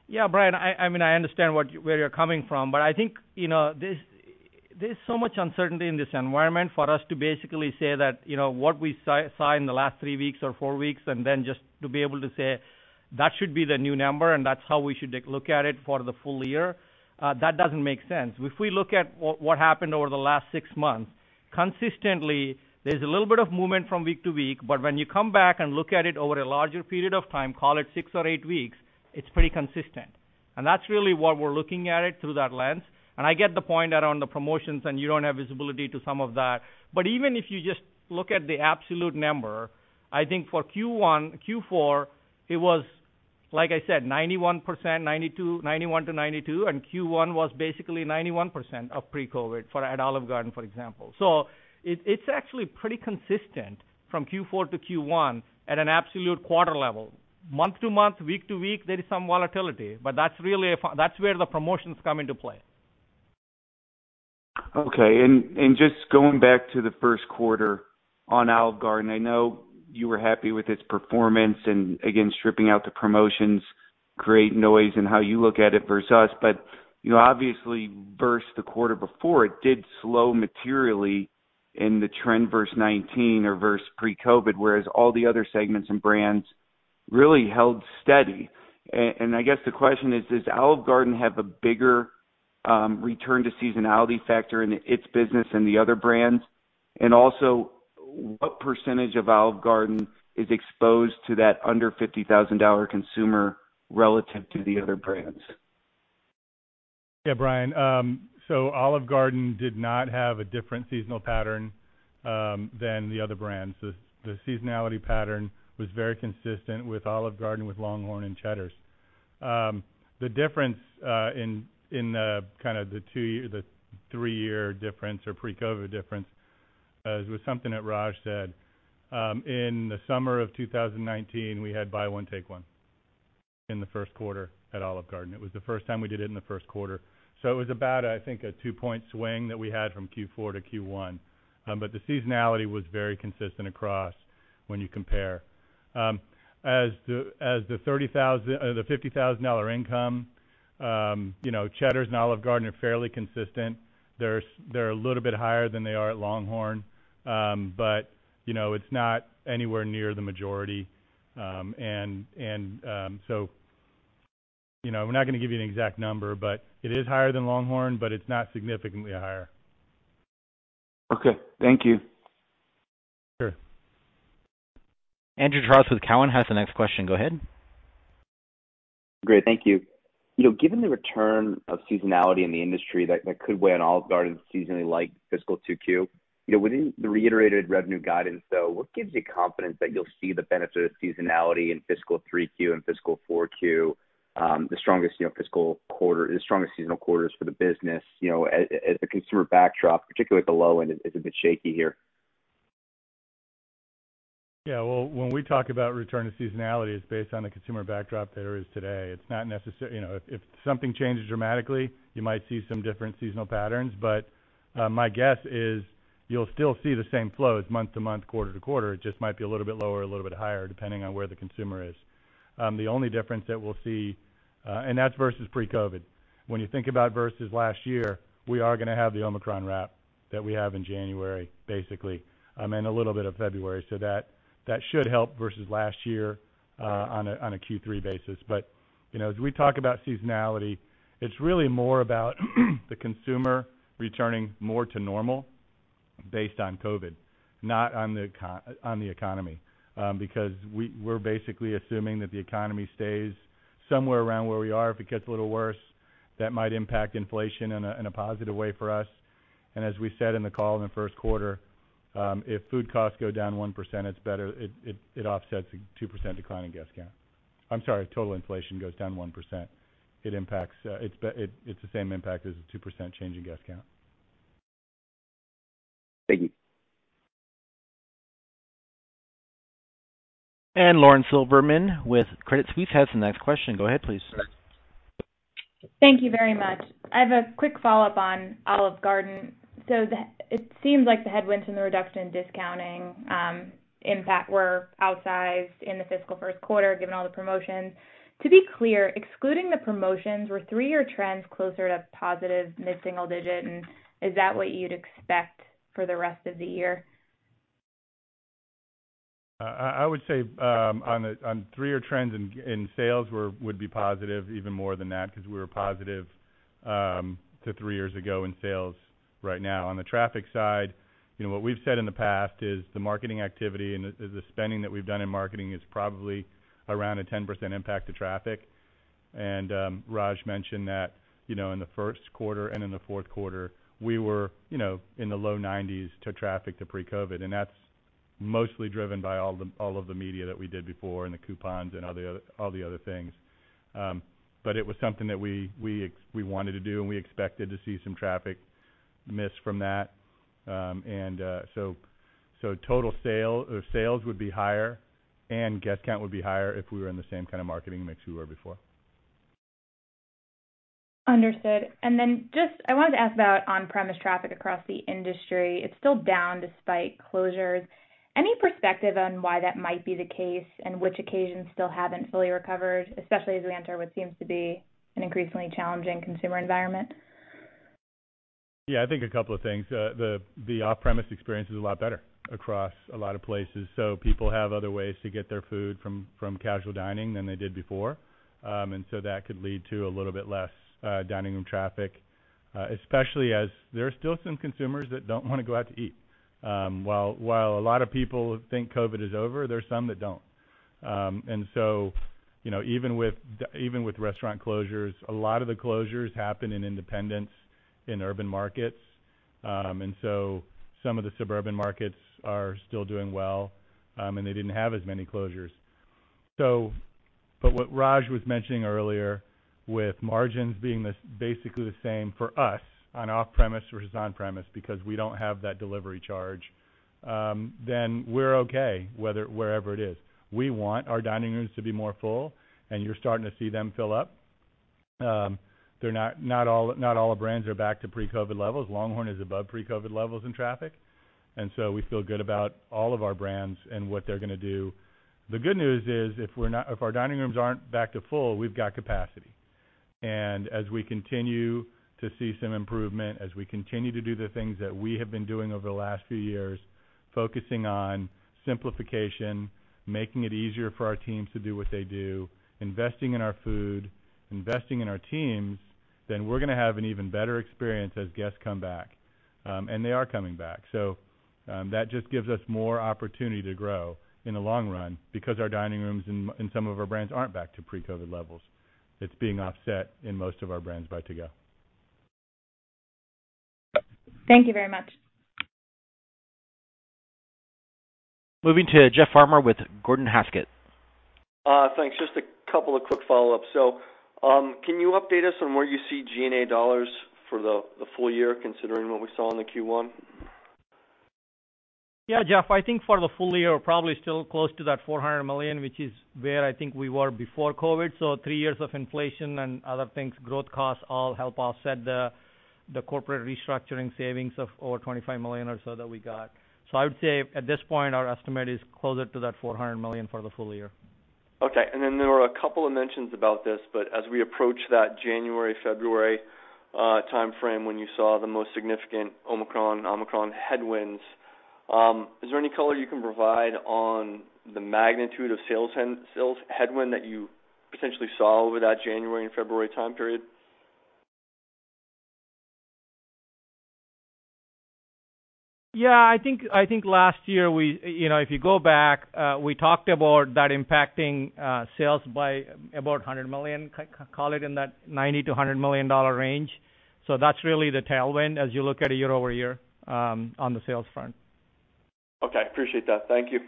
Yeah, Brian, I mean, I understand where you're coming from, but I think, you know, there's so much uncertainty in this environment for us to basically say that, you know, what we saw in the last three weeks or four weeks, and then just to be able to say, "That should be the new number, and that's how we should look at it for the full year." That doesn't make sense. If we look at what happened over the last six months, consistently, there's a little bit of movement from week to week, but when you come back and look at it over a larger period of time, call it six or eight weeks, it's pretty consistent. That's really what we're looking at it through that lens. I get the point around the promotions and you don't have visibility to some of that. Even if you just look at the absolute number, I think for Q4, it was, like I said, 91%-92%, and Q1 was basically 91% of pre-COVID at Olive Garden, for example. It's actually pretty consistent from Q4 to Q1 at an absolute quarter level. Month to month, week to week, there is some volatility, but that's really where the promotions come into play. Okay. Just going back to the first quarter on Olive Garden, I know you were happy with its performance and, again, stripping out the promotions, create noise in how you look at it versus us. You know, obviously, versus the quarter before, it did slow materially in the trend versus 19 or versus pre-COVID, whereas all the other segments and brands really held steady. I guess the question is, does Olive Garden have a bigger return to seasonality factor in its business than the other brands? Also, what percentage of Olive Garden is exposed to that under $50,000 consumer relative to the other brands? Yeah, Brian. So Olive Garden did not have a different seasonal pattern than the other brands. The seasonality pattern was very consistent with Olive Garden, with LongHorn and Cheddar's. The difference in the kind of the three-year difference or pre-COVID difference was something that Raj said. In the summer of 2019, we had Buy One Take One in the first quarter at Olive Garden. It was the first time we did it in the first quarter. It was about, I think, a 2-point swing that we had from Q4 to Q1. The seasonality was very consistent across when you compare. As the $50,000 income, you know, Cheddar's and Olive Garden are fairly consistent. They're a little bit higher than they are at LongHorn. You know, it's not anywhere near the majority. You know, we're not gonna give you an exact number, but it is higher than LongHorn, but it's not significantly higher. Okay. Thank you. Sure. Andrew Charles with Cowen has the next question. Go ahead. Great. Thank you. You know, given the return of seasonality in the industry that could weigh on Olive Garden seasonally like fiscal Q2, you know, within the reiterated revenue guidance, though, what gives you confidence that you'll see the benefit of seasonality in fiscal Q3 and fiscal Q4, the strongest seasonal quarters for the business, you know, as the consumer backdrop, particularly at the low end, is a bit shaky here? Yeah. Well, when we talk about return to seasonality is based on the consumer backdrop there is today. It's not. You know, if something changes dramatically, you might see some different seasonal patterns. My guess is you'll still see the same flows month-to-month, quarter-to-quarter. It just might be a little bit lower, a little bit higher, depending on where the consumer is. The only difference that we'll see, and that's versus pre-COVID. When you think about versus last year, we are gonna have the Omicron wave that we have in January, basically, and a little bit of February. That should help versus last year, on a Q3 basis. You know, as we talk about seasonality, it's really more about the consumer returning more to normal based on COVID, not on the economy. Because we're basically assuming that the economy stays somewhere around where we are. If it gets a little worse, that might impact inflation in a positive way for us. As we said in the call in the first quarter, if food costs go down 1%, it offsets a 2% decline in guest count. I'm sorry, if total inflation goes down 1%, it's the same impact as a 2% change in guest count. Thank you. Lauren Silberman with Credit Suisse has the next question. Go ahead, please. Thank you very much. I have a quick follow-up on Olive Garden. It seems like the headwinds and the reduction in discounting, impact were outsized in the fiscal first quarter, given all the promotions. To be clear, excluding the promotions, were three-year trends closer to positive mid-single digit, and is that what you'd expect for the rest of the year? I would say on three-year trends in sales would be positive even more than that because we were positive to three years ago in sales right now. On the traffic side, you know, what we've said in the past is the marketing activity and the spending that we've done in marketing is probably around a 10% impact to traffic. Raj mentioned that, you know, in the first quarter and in the fourth quarter, we were, you know, in the low 90s to traffic to pre-COVID, and that's mostly driven by all of the media that we did before and the coupons and all the other things. But it was something that we wanted to do, and we expected to see some traffic miss from that. Total sales would be higher and guest count would be higher if we were in the same kind of marketing mix we were before. Understood. Just I wanted to ask about on-premise traffic across the industry. It's still down despite closures. Any perspective on why that might be the case and which occasions still haven't fully recovered, especially as we enter what seems to be an increasingly challenging consumer environment? Yeah, I think a couple of things. The off-premise experience is a lot better across a lot of places, so people have other ways to get their food from casual dining than they did before. That could lead to a little bit less dining room traffic, especially as there are still some consumers that don't wanna go out to eat. While a lot of people think COVID is over, there are some that don't. You know, even with restaurant closures, a lot of the closures happen in independents in urban markets. Some of the suburban markets are still doing well, and they didn't have as many closures. What Raj was mentioning earlier with margins being basically the same for us on off-premise versus on-premise because we don't have that delivery charge, then we're okay wherever it is. We want our dining rooms to be more full, and you're starting to see them fill up. They're not all the brands are back to pre-COVID levels. LongHorn is above pre-COVID levels in traffic, and so we feel good about all of our brands and what they're gonna do. The good news is, if our dining rooms aren't back to full, we've got capacity. As we continue to see some improvement, as we continue to do the things that we have been doing over the last few years, focusing on simplification, making it easier for our teams to do what they do, investing in our food, investing in our teams, then we're gonna have an even better experience as guests come back, and they are coming back. That just gives us more opportunity to grow in the long run because our dining rooms and some of our brands aren't back to pre-COVID levels. It's being offset in most of our brands by to-go. Thank you very much. Moving to Jeff Farmer with Gordon Haskett. Thanks. Just a couple of quick follow-ups. Can you update us on where you see G&A dollars for the full year considering what we saw in the Q1? Yeah, Jeff, I think for the full year, probably still close to that $400 million, which is where I think we were before COVID. Three years of inflation and other things, growth costs all help offset the corporate restructuring savings of over $25 million or so that we got. I would say at this point, our estimate is closer to that $400 million for the full year. Okay. Then there were a couple of mentions about this, but as we approach that January-February timeframe when you saw the most significant Omicron headwinds. Is there any color you can provide on the magnitude of sales headwind that you potentially saw over that January and February time period? Yeah, I think last year we, you know, if you go back, we talked about that impacting sales by about $100 million, call it in that $90-$100 million dollar range. So that's really the tailwind as you look at it year-over-year on the sales front. Okay, appreciate that. Thank you.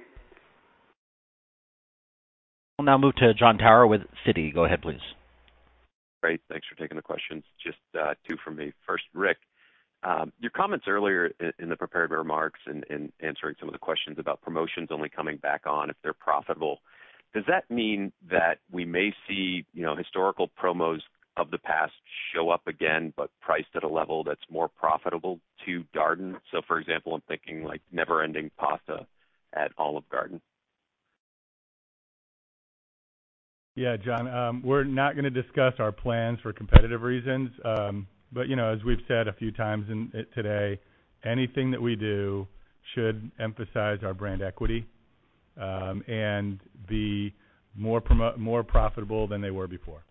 We'll now move to Jon Tower with Citi. Go ahead, please. Great. Thanks for taking the questions. Just two for me. First, Rick, your comments earlier in the prepared remarks and answering some of the questions about promotions only coming back on if they're profitable, does that mean that we may see, you know, historical promos of the past show up again, but priced at a level that's more profitable to Darden? So for example, I'm thinking like Never Ending Pasta at Olive Garden. Yeah, John, we're not gonna discuss our plans for competitive reasons. You know, as we've said a few times today, anything that we do should emphasize our brand equity and be more profitable than they were before.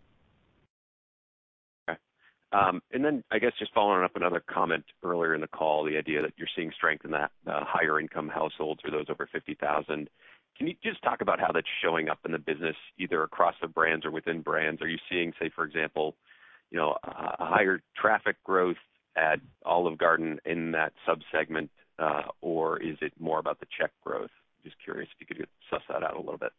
I guess just following up another comment earlier in the call, the idea that you're seeing strength in that higher income households or those over $50,000. Can you just talk about how that's showing up in the business, either across the brands or within brands? Are you seeing, say, for example, you know, a higher traffic growth at Olive Garden in that sub-segment, or is it more about the check growth? Just curious if you could suss that out a little bit.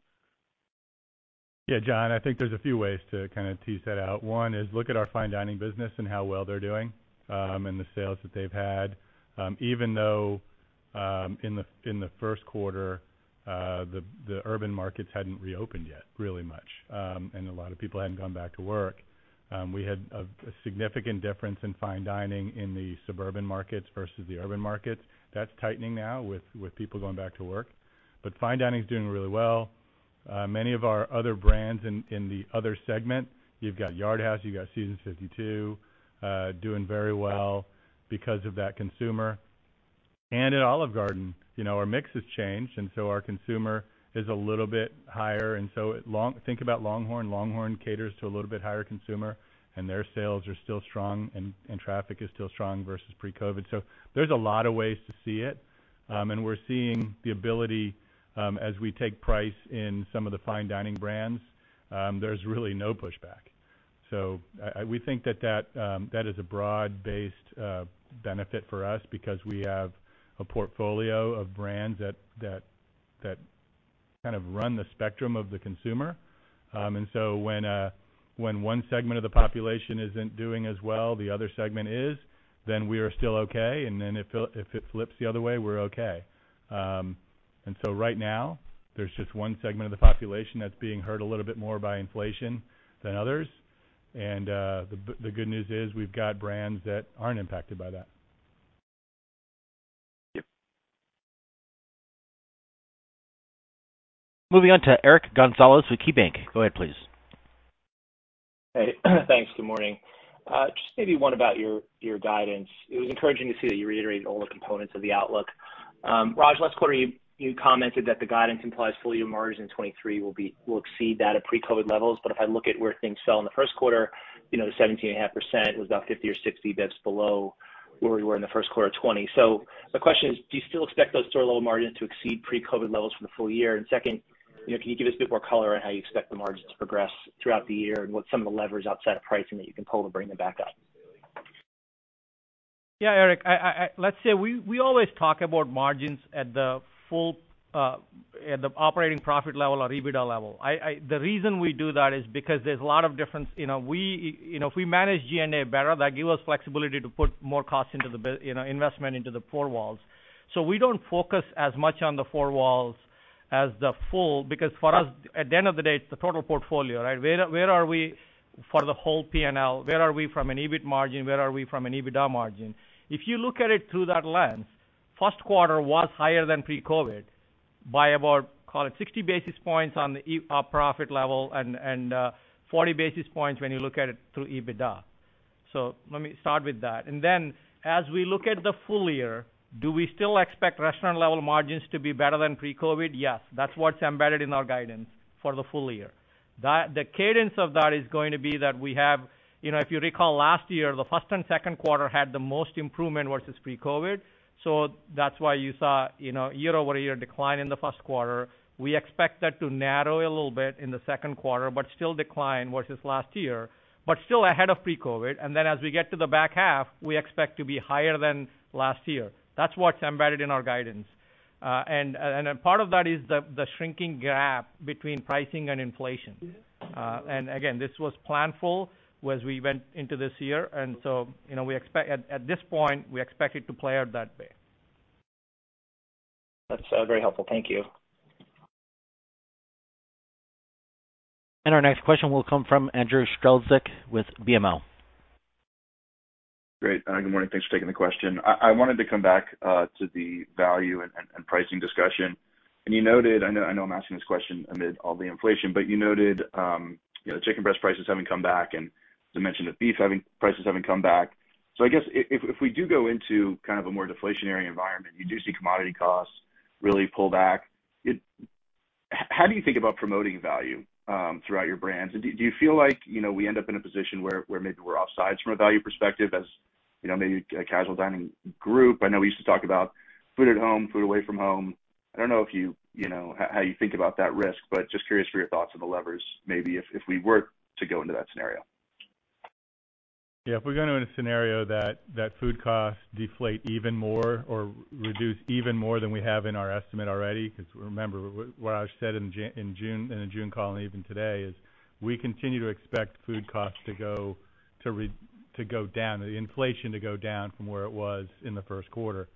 Yeah, John, I think there's a few ways to kinda tease that out. One is look at our fine dining business and how well they're doing, and the sales that they've had. Even though in the first quarter the urban markets hadn't reopened yet really much, and a lot of people hadn't gone back to work. We had a significant difference in fine dining in the suburban markets versus the urban markets. That's tightening now with people going back to work. Fine dining is doing really well. Many of our other brands in the other segment, you've got Yard House, you've got Seasons 52, doing very well because of that consumer. At Olive Garden, you know, our mix has changed, and so our consumer is a little bit higher. Think about LongHorn. LongHorn caters to a little bit higher consumer, and their sales are still strong, and traffic is still strong versus pre-COVID. There's a lot of ways to see it. We're seeing the ability, as we take price in some of the fine dining brands, there's really no pushback. We think that that is a broad-based benefit for us because we have a portfolio of brands that kind of run the spectrum of the consumer. When one segment of the population isn't doing as well, the other segment is, then we are still okay, and then if it flips the other way, we're okay. Right now there's just one segment of the population that's being hurt a little bit more by inflation than others. The good news is we've got brands that aren't impacted by that. Yep. Moving on to Eric Gonzalez with KeyBanc Capital Markets. Go ahead, please. Thanks. Good morning. Just maybe one about your guidance. It was encouraging to see that you reiterated all the components of the outlook. Raj, last quarter, you commented that the guidance implies full-year margins in 2023 will exceed that of pre-COVID levels. If I look at where things fell in the first quarter, you know, the 17.5% was about 50 or 60 basis points below where we were in the first quarter of 2020. The question is, do you still expect those store-level margins to exceed pre-COVID levels for the full year? Second, you know, can you give us a bit more color on how you expect the margins to progress throughout the year and what some of the levers outside of pricing that you can pull to bring them back up? Yeah, Eric, let's say we always talk about margins at the full, at the operating profit level or EBITDA level. The reason we do that is because there's a lot of difference. You know, if we manage G&A better, that give us flexibility to put more costs into investment into the four walls. We don't focus as much on the four walls as the full, because for us, at the end of the day, it's the total portfolio, right? Where are we for the whole P&L? Where are we from an EBIT margin? Where are we from an EBITDA margin? If you look at it through that lens, first quarter was higher than pre-COVID by about, call it 60 basis points on the EBIT profit level and 40 basis points when you look at it through EBITDA. Let me start with that. As we look at the full year, do we still expect restaurant level margins to be better than pre-COVID? Yes. That's what's embedded in our guidance for the full year. The cadence of that is going to be that we have you know, if you recall last year, the first and second quarter had the most improvement versus pre-COVID. That's why you saw, you know, year-over-year decline in the first quarter. We expect that to narrow a little bit in the second quarter, but still decline versus last year, but still ahead of pre-COVID.Then as we get to the back half, we expect to be higher than last year. That's what's embedded in our guidance. A part of that is the shrinking gap between pricing and inflation. Again, this was planful as we went into this year. You know, at this point, we expect it to play out that way. That's very helpful. Thank you. Our next question will come from Andrew Strelzik with BMO. Great. Good morning, thanks for taking the question. I wanted to come back to the value and pricing discussion. You noted, I know I'm asking this question amid all the inflation, but you noted, you know, chicken breast prices haven't come back, and you mentioned that beef prices haven't come back. So I guess if we do go into kind of a more deflationary environment, you do see commodity costs really pull back. How do you think about promoting value throughout your brands? Do you feel like, you know, we end up in a position where maybe we're offsides from a value perspective as, you know, maybe a casual dining group? I know we used to talk about food at home, food away from home. I don't know if you know, how you think about that risk, but just curious for your thoughts on the levers, maybe if we were to go into that scenario. Yeah. If we go into a scenario that food costs deflate even more or reduce even more than we have in our estimate already, 'cause remember what I said in June, in the June call and even today is we continue to expect food costs to go down, the inflation to go down from where it was in the first quarter.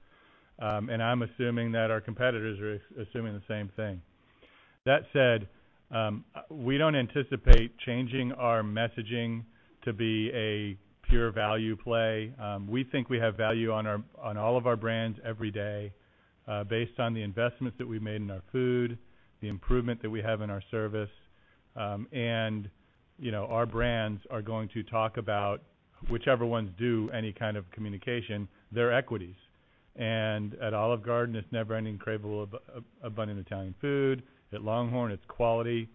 I'm assuming that our competitors are assuming the same thing. That said, we don't anticipate changing our messaging to be a pure value play. We think we have value on our, on all of our brands every day, based on the investments that we made in our food, the improvement that we have in our service, and, you know, our brands are going to talk about whichever ones do any kind of communication, their equities. At Olive Garden, it's never ending craveable abundant Italian food. At LongHorn, it's quality,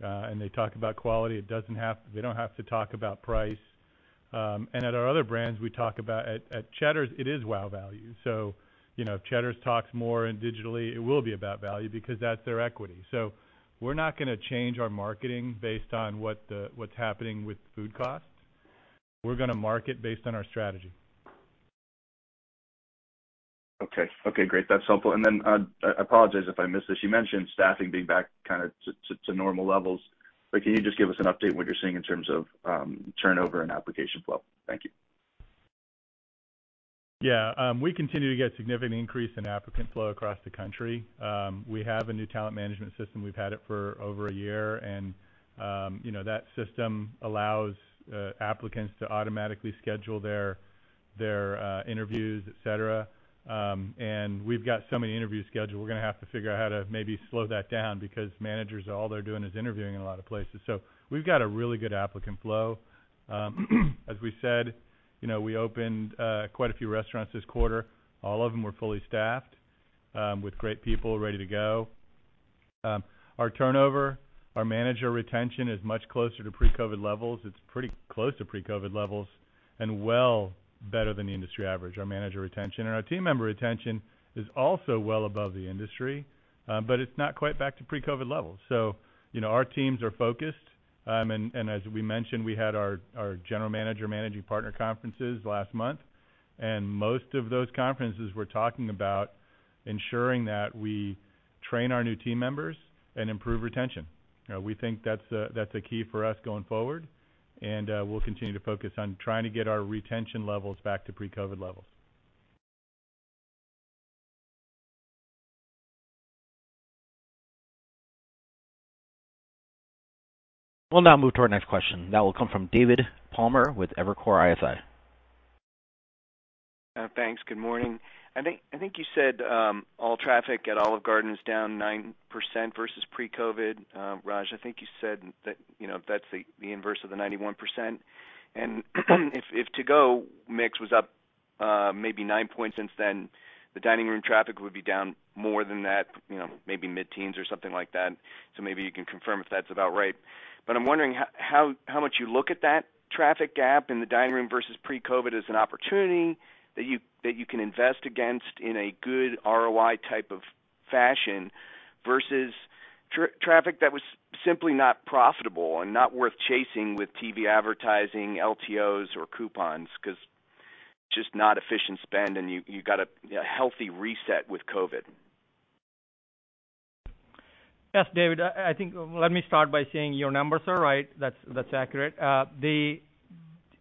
and they talk about quality. They don't have to talk about price. At our other brands, we talk about. At Cheddar's, it is wow value. You know, if Cheddar's talks more and digitally, it will be about value because that's their equity. We're not gonna change our marketing based on what's happening with food costs. We're gonna market based on our strategy. Okay. Okay, great. That's helpful. I apologize if I missed this. You mentioned staffing being back kinda to normal levels, but can you just give us an update on what you're seeing in terms of turnover and application flow? Thank you. Yeah. We continue to get significant increase in applicant flow across the country. We have a new talent management system. We've had it for over a year, and, you know, that system allows applicants to automatically schedule their interviews, et cetera. We've got so many interviews scheduled, we're gonna have to figure out how to maybe slow that down because managers, all they're doing is interviewing in a lot of places. We've got a really good applicant flow. As we said, you know, we opened quite a few restaurants this quarter. All of them were fully staffed with great people ready to go. Our turnover, our manager retention is much closer to pre-COVID levels. It's pretty close to pre-COVID levels and well better than the industry average. Our manager retention and our team member retention is also well above the industry, but it's not quite back to pre-COVID levels. You know, our teams are focused. As we mentioned, we had our general manager managing partner conferences last month, and most of those conferences we're talking about ensuring that we train our new team members and improve retention. You know, we think that's a key for us going forward, and we'll continue to focus on trying to get our retention levels back to pre-COVID levels. We'll now move to our next question. That will come from David Palmer with Evercore ISI. Thanks. Good morning. I think you said all traffic at Olive Garden is down 9% versus pre-COVID. Raj, I think you said that, you know, that's the inverse of the 91%. If to-go mix was up maybe 9 points since then the dining room traffic would be down more than that, you know, maybe mid-teens or something like that. Maybe you can confirm if that's about right. I'm wondering how much you look at that traffic gap in the dining room versus pre-COVID as an opportunity that you can invest against in a good ROI type of fashion versus traffic that was simply not profitable and not worth chasing with TV advertising, LTOs or coupons 'cause it's just not efficient spend and you've got a healthy reset with COVID. Yes, David. I think let me start by saying your numbers are right. That's accurate.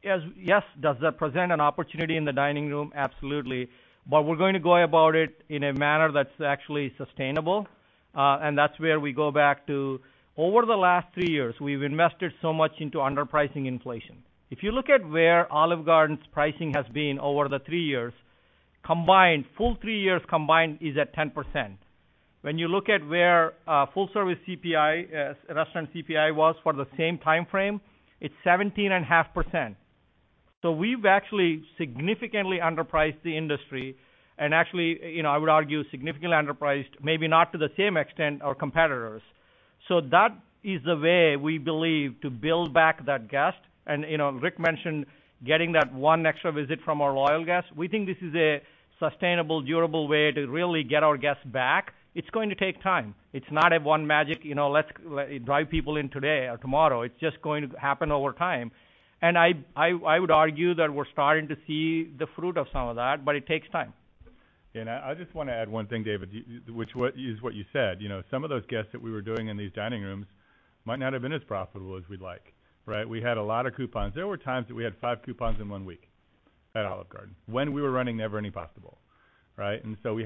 Does that present an opportunity in the dining room? Absolutely. We're going to go about it in a manner that's actually sustainable. That's where we go back to over the last three years, we've invested so much into underpricing inflation. If you look at where Olive Garden's pricing has been over the three years combined, full three years combined is at 10%. When you look at where full service CPI, restaurant CPI was for the same timeframe, it's 17.5%. We've actually significantly underpriced the industry and actually, you know, I would argue significantly underpriced, maybe not to the same extent our competitors. That is the way we believe to build back that guest. You know, Rick mentioned getting that one extra visit from our loyal guests. We think this is a sustainable, durable way to really get our guests back. It's going to take time. It's not a one magic, you know, let's drive people in today or tomorrow. It's just going to happen over time. I would argue that we're starting to see the fruit of some of that, but it takes time. I just wanna add one thing, David, which is what you said. You know, some of those guests that we were doing in these dining rooms might not have been as profitable as we'd like, right? We had a lot of coupons. There were times that we had five coupons in one week at Olive Garden when we were running Never Ending Pasta Bowl, right? We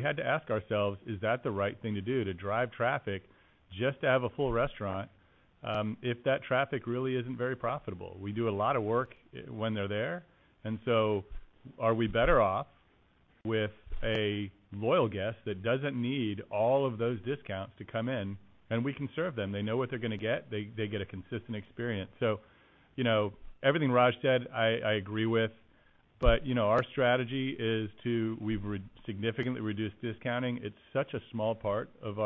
had to ask ourselves, is that the right thing to do to drive traffic just to have a full restaurant? If that traffic really isn't very profitable, we do a lot of work when they're there. Are we better off with a loyal guest that doesn't need all of those discounts to come in, and we can serve them. They know what they're going to get. They get a consistent experience. You know, everything Raj said, I agree with, but you know, our strategy is we've significantly reduced discounting. It's such a small part of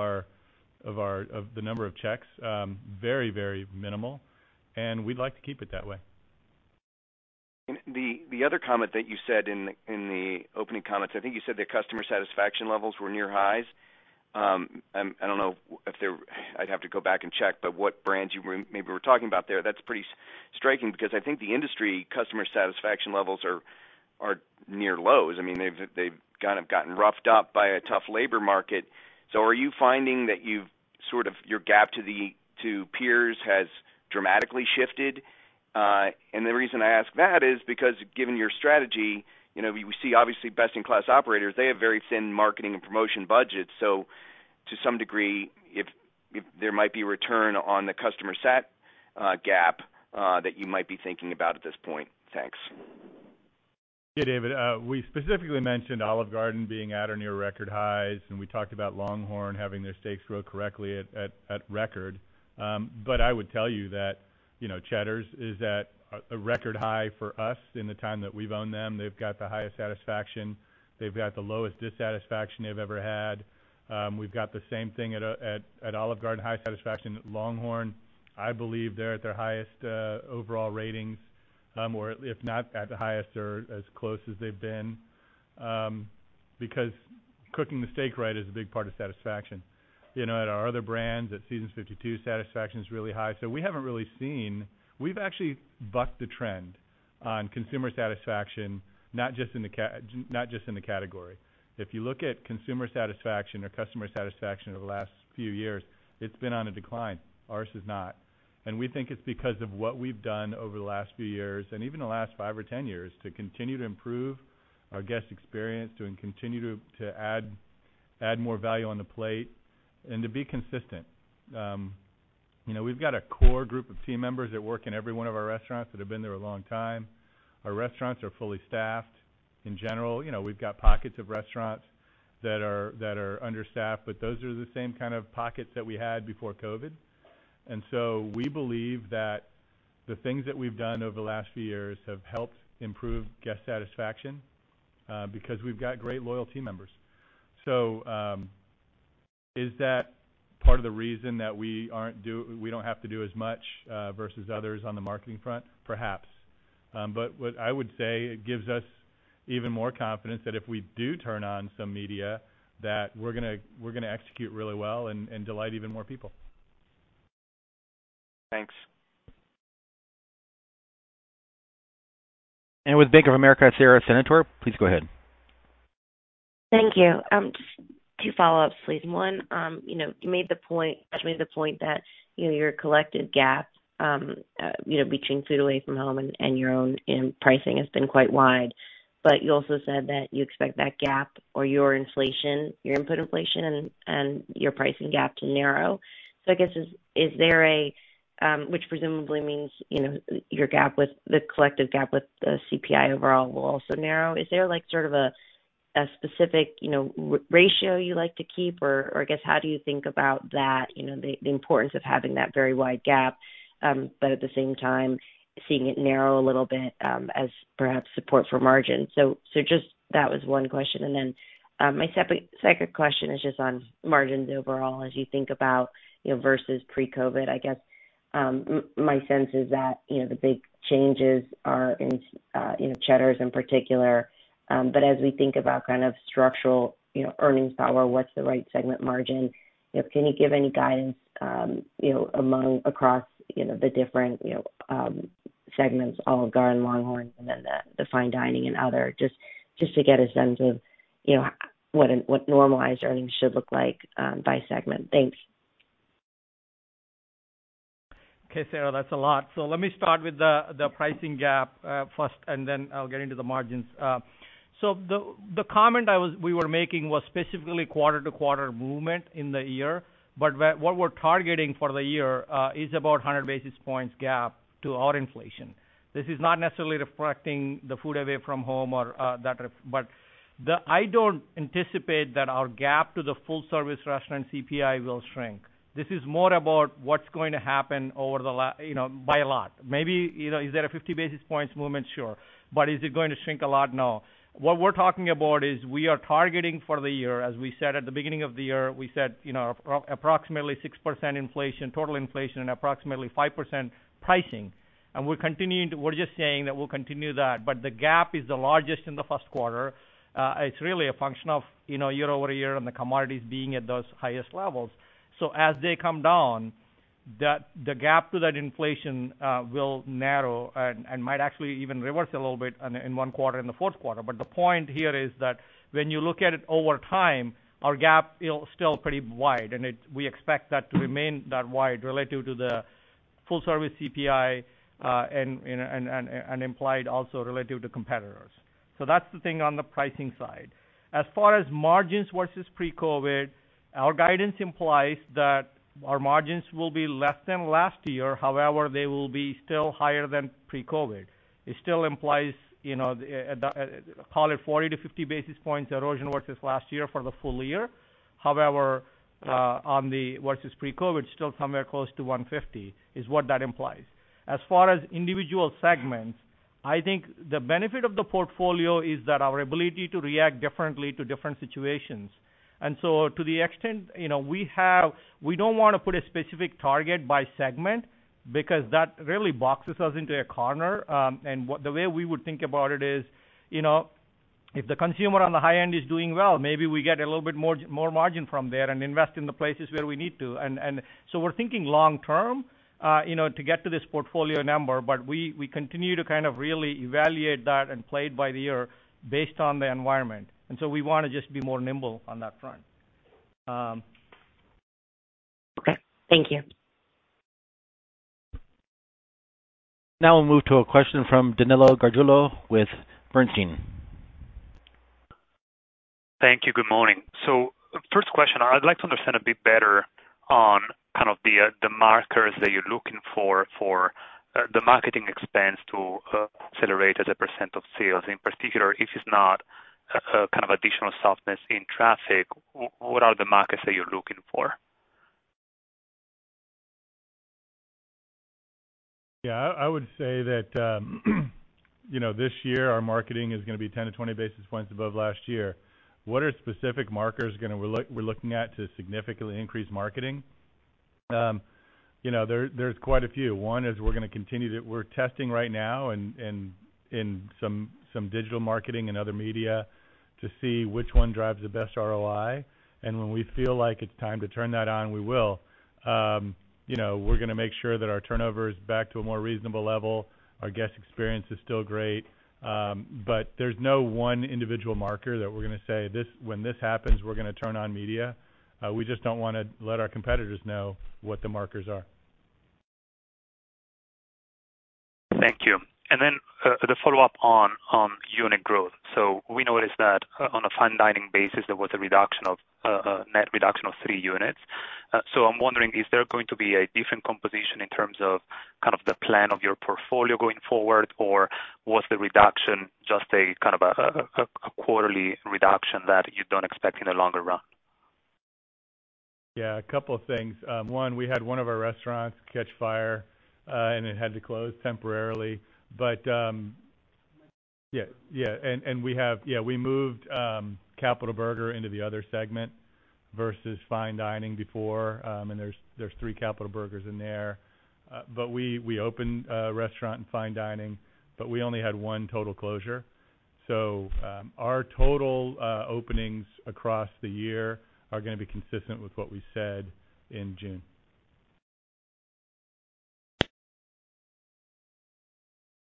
the number of checks, very minimal, and we'd like to keep it that way. The other comment that you said in the opening comments, I think you said that customer satisfaction levels were near highs. I don't know if they're. I'd have to go back and check, but what brands you were talking about there, that's pretty striking because I think the industry customer satisfaction levels are near lows. I mean, they've kind of gotten roughed up by a tough labor market. So are you finding that you've sort of your gap to the peers has dramatically shifted? The reason I ask that is because given your strategy, you know, we see obviously best-in-class operators. They have very thin marketing and promotion budgets. So to some degree, if there might be return on the customer sat gap that you might be thinking about at this point. Thanks. Yeah, David, we specifically mentioned Olive Garden being at or near record highs, and we talked about LongHorn having their steaks grow correctly at record. I would tell you that, you know, Cheddar's is at a record high for us in the time that we've owned them. They've got the highest satisfaction. They've got the lowest dissatisfaction they've ever had. We've got the same thing at Olive Garden. High satisfaction at LongHorn. I believe they're at their highest overall ratings, or if not at the highest or as close as they've been, because cooking the steak right is a big part of satisfaction. You know, at our other brands, at Seasons 52, satisfaction is really high. We haven't really seen. We've actually bucked the trend on consumer satisfaction, not just in the category. If you look at consumer satisfaction or customer satisfaction over the last few years, it's been on a decline. Ours is not. We think it's because of what we've done over the last few years and even the last 5 or 10 years to continue to improve our guest experience, continue to add more value on the plate and to be consistent. You know, we've got a core group of team members that work in every one of our restaurants that have been there a long time. Our restaurants are fully staffed. In general, you know, we've got pockets of restaurants that are understaffed, but those are the same kind of pockets that we had before COVID. We believe that the things that we've done over the last few years have helped improve guest satisfaction, because we've got great loyal team members. Is that part of the reason that we don't have to do as much versus others on the marketing front? Perhaps. But what I would say, it gives us even more confidence that if we do turn on some media, that we're gonna execute really well and delight even more people. Thanks. With Bank of America, Sara Senatore, please go ahead. Thank you. Just two follow-ups, please. One, you know, you made the point, Raj made the point that, you know, your collective gap, you know, between food away from home and your own pricing has been quite wide. You also said that you expect that gap or your inflation, your input inflation and your pricing gap to narrow. Which presumably means, you know, your gap with the collective gap with the CPI overall will also narrow. Is there, like, sort of a specific, you know, ratio you like to keep? Or I guess, how do you think about that, you know, the importance of having that very wide gap, but at the same time seeing it narrow a little bit, as perhaps support for margin? Just that was one question. My second question is just on margins overall, as you think about, you know, versus pre-COVID. I guess, my sense is that, you know, the big changes are in Cheddar's in particular. But as we think about kind of structural, you know, earnings power, what's the right segment margin? You know, can you give any guidance, you know, across, you know, the different, you know, segments, Olive Garden, LongHorn, and then the fine dining and other, just to get a sense of, you know, what normalized earnings should look like, by segment. Thanks. Okay, Sara, that's a lot. Let me start with the pricing gap first, and then I'll get into the margins. The comment we were making was specifically quarter-to-quarter movement in the year. What we're targeting for the year is about 100 basis points gap to our inflation. This is not necessarily reflecting the food away from home. I don't anticipate that our gap to the full-service restaurant CPI will shrink. This is more about what's going to happen, you know, by a lot. Maybe, you know, is there a 50 basis points movement? Sure. But is it going to shrink a lot? No. What we're talking about is we are targeting for the year, as we said at the beginning of the year, we said, you know, approximately 6% inflation, total inflation, and approximately 5% pricing. We're just saying that we'll continue that. The gap is the largest in the first quarter. It's really a function of, you know, year-over-year and the commodities being at those highest levels. As they come down, the gap to that inflation will narrow and might actually even reverse a little bit in one quarter, in the fourth quarter. The point here is that when you look at it over time, our gap is still pretty wide, and we expect that to remain that wide relative to the full-service CPI and implied also relative to competitors. That's the thing on the pricing side. As far as margins versus pre-COVID, our guidance implies that our margins will be less than last year. However, they will be still higher than pre-COVID. It still implies, call it 40-50 basis points erosion versus last year for the full year. However, versus pre-COVID, still somewhere close to 150 basis points is what that implies. As far as individual segments, I think the benefit of the portfolio is that our ability to react differently to different situations. To the extent, we don't want to put a specific target by segment because that really boxes us into a corner. The way we would think about it is, you know, if the consumer on the high end is doing well, maybe we get a little bit more margin from there and invest in the places where we need to. We're thinking long term, you know, to get to this portfolio number, but we continue to kind of really evaluate that and play it by the ear based on the environment. We want to just be more nimble on that front. Okay, thank you. Now we'll move to a question from Danilo Gargiulo with Bernstein. Thank you. Good morning. First question, I'd like to understand a bit better on kind of the markers that you're looking for for the marketing expense to accelerate as a % of sales. In particular, if it's not kind of additional softness in traffic, what are the markers that you're looking for? Yeah, I would say that, you know, this year our marketing is going to be 10-20 basis points above last year. What are specific markers we're looking at to significantly increase marketing? You know, there's quite a few. One is we're going to continue to test right now in some digital marketing and other media to see which one drives the best ROI. When we feel like it's time to turn that on, we will. You know, we're going to make sure that our turnover is back to a more reasonable level. Our guest experience is still great. But there's no one individual marker that we're going to say, "This, when this happens, we're going to turn on media." We just don't want to let our competitors know what the markers are. Thank you. The follow-up on unit growth. We noticed that on a fine dining basis, there was a net reduction of three units. I'm wondering, is there going to be a different composition in terms of kind of the plan of your portfolio going forward? Or was the reduction just a kind of a quarterly reduction that you don't expect in the longer run? Yeah, a couple of things. One, we had one of our restaurants catch fire, and it had to close temporarily. We moved Capital Burger into the other segment versus fine dining before. There's three Capital Burgers in there. We opened a restaurant in fine dining, but we only had one total closure. Our total openings across the year are going to be consistent with what we said in June.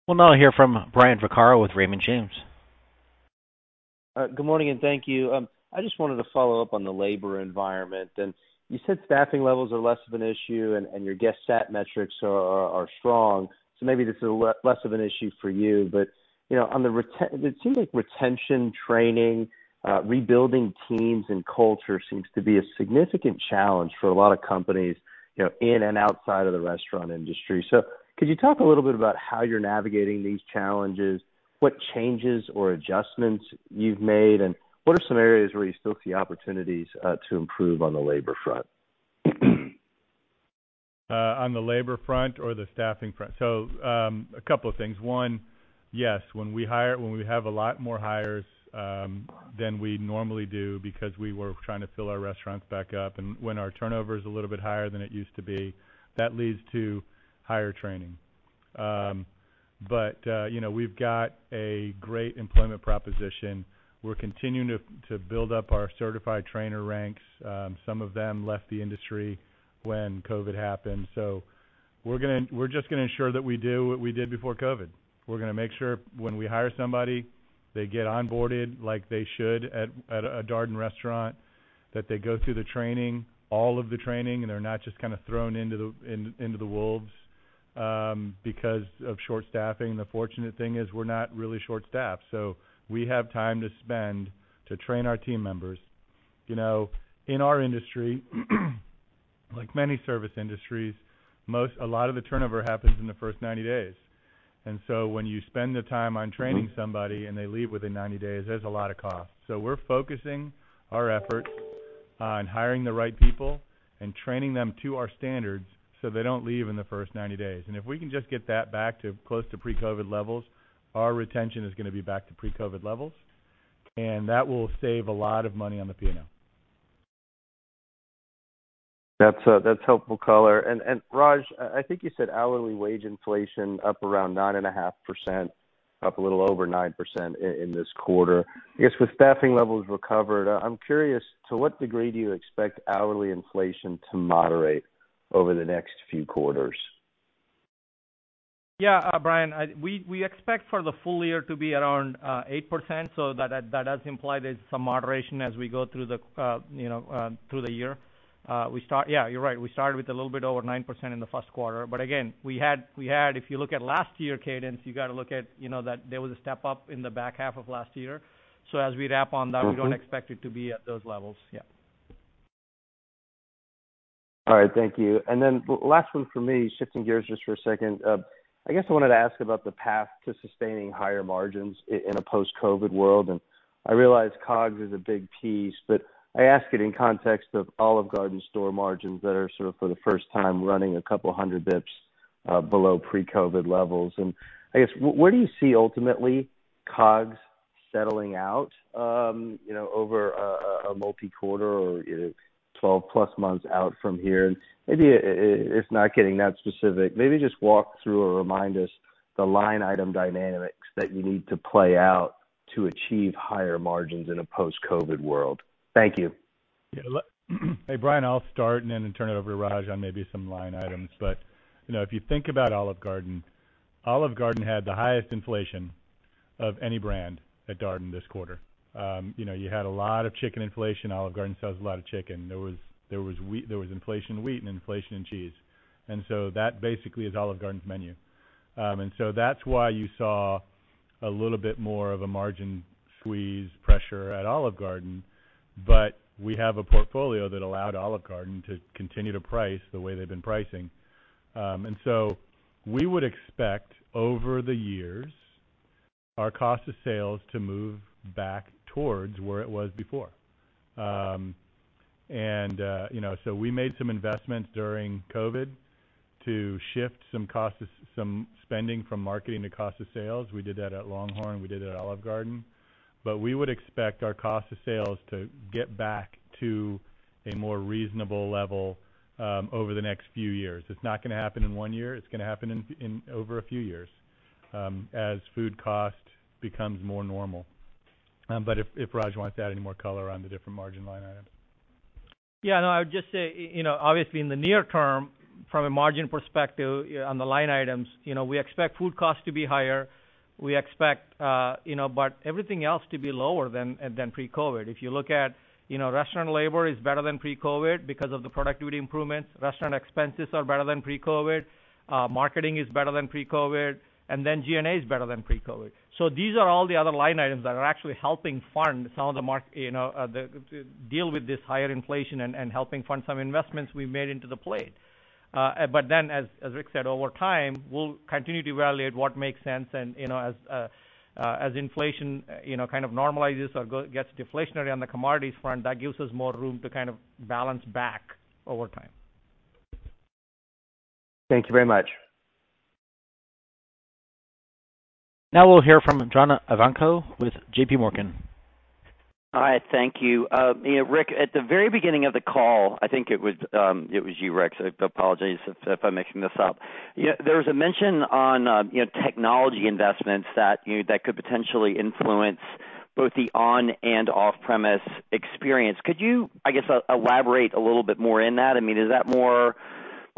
We'll now hear from Brian Vaccaro with Raymond James. Good morning, and thank you. I just wanted to follow up on the labor environment. You said staffing levels are less of an issue and your guest sat metrics are strong. Maybe this is less of an issue for you. You know, on the retention, it seems like retention, training, rebuilding teams and culture seems to be a significant challenge for a lot of companies, you know, in and outside of the restaurant industry. Could you talk a little bit about how you're navigating these challenges? What changes or adjustments you've made? What are some areas where you still see opportunities to improve on the labor front? On the labor front or the staffing front? A couple of things. One, yes, when we have a lot more hires than we normally do because we were trying to fill our restaurants back up, and when our turnover is a little bit higher than it used to be, that leads to higher training. You know, we've got a great employment proposition. We're continuing to build up our certified trainer ranks. Some of them left the industry when COVID happened. We're just gonna ensure that we do what we did before COVID. We're gonna make sure when we hire somebody, they get onboarded like they should at a Darden restaurant, that they go through the training, all of the training, and they're not just kinda thrown into the wolves because of short staffing. The fortunate thing is we're not really short staffed, so we have time to spend to train our team members. You know, in our industry, like many service industries, a lot of the turnover happens in the first 90 days. When you spend the time on training somebody and they leave within 90 days, there's a lot of cost. We're focusing our efforts on hiring the right people and training them to our standards so they don't leave in the first 90 days. If we can just get that back to close to pre-COVID levels, our retention is gonna be back to pre-COVID levels. That will save a lot of money on the P&L. That's helpful color. Raj, I think you said hourly wage inflation up around 9.5%, up a little over 9% in this quarter. I guess with staffing levels recovered, I'm curious to what degree you expect hourly inflation to moderate over the next few quarters? Yeah, Brian, we expect for the full year to be around 8%, so that does imply there's some moderation as we go through the year. Yeah, you're right. We started with a little bit over 9% in the first quarter. Again, if you look at last year cadence, you gotta look at that there was a step up in the back half of last year. As we wrap on that. We don't expect it to be at those levels. Yeah. All right. Thank you. Last one for me, shifting gears just for a second. I guess I wanted to ask about the path to sustaining higher margins in a post-COVID world. I realize COGS is a big piece, but I ask it in context of Olive Garden store margins that are sort of for the first time running a couple hundred basis points below pre-COVID levels. I guess where do you see ultimately COGS settling out, you know, over a multi-quarter or twelve-plus months out from here? Maybe if not getting that specific, maybe just walk through or remind us the line item dynamics that you need to play out to achieve higher margins in a post-COVID world. Thank you. Hey, Brian, I'll start and then turn it over to Raj on maybe some line items. You know, if you think about Olive Garden, Olive Garden had the highest inflation of any brand at Darden this quarter. You know, you had a lot of chicken inflation. Olive Garden sells a lot of chicken. There was inflation in wheat and inflation in cheese. That basically is Olive Garden's menu. That's why you saw a little bit more of a margin squeeze pressure at Olive Garden. We have a portfolio that allowed Olive Garden to continue to price the way they've been pricing. We would expect over the years our cost of sales to move back towards where it was before. You know, we made some investments during COVID to shift some cost of some spending from marketing to cost of sales. We did that at LongHorn, we did it at Olive Garden. We would expect our cost of sales to get back to a more reasonable level over the next few years. It's not gonna happen in one year. It's gonna happen in over a few years as food cost becomes more normal. If Raj wants to add any more color on the different margin line items. Yeah. No, I would just say, you know, obviously in the near term from a margin perspective on the line items, you know, we expect food costs to be higher. We expect, you know, but everything else to be lower than pre-COVID. If you look at, you know, restaurant labor is better than pre-COVID because of the productivity improvements. Restaurant expenses are better than pre-COVID. Marketing is better than pre-COVID, and then G&A is better than pre-COVID. These are all the other line items that are actually helping fund some of the, you know, to deal with this higher inflation and helping fund some investments we made into the plate as Rick said, over time, we'll continue to evaluate what makes sense and, you know, as inflation, you know, kind of normalizes or gets deflationary on the commodities front, that gives us more room to kind of balance back over time. Thank you very much. Now we'll hear from John Ivankoe with J.P. Morgan. All right. Thank you. You know, Rick, at the very beginning of the call, I think it was you, Rick, so apologies if I'm mixing this up. You know, there was a mention on you know, technology investments that could potentially influence both the on and off premise experience. Could you, I guess, elaborate a little bit more in that? I mean, is that more,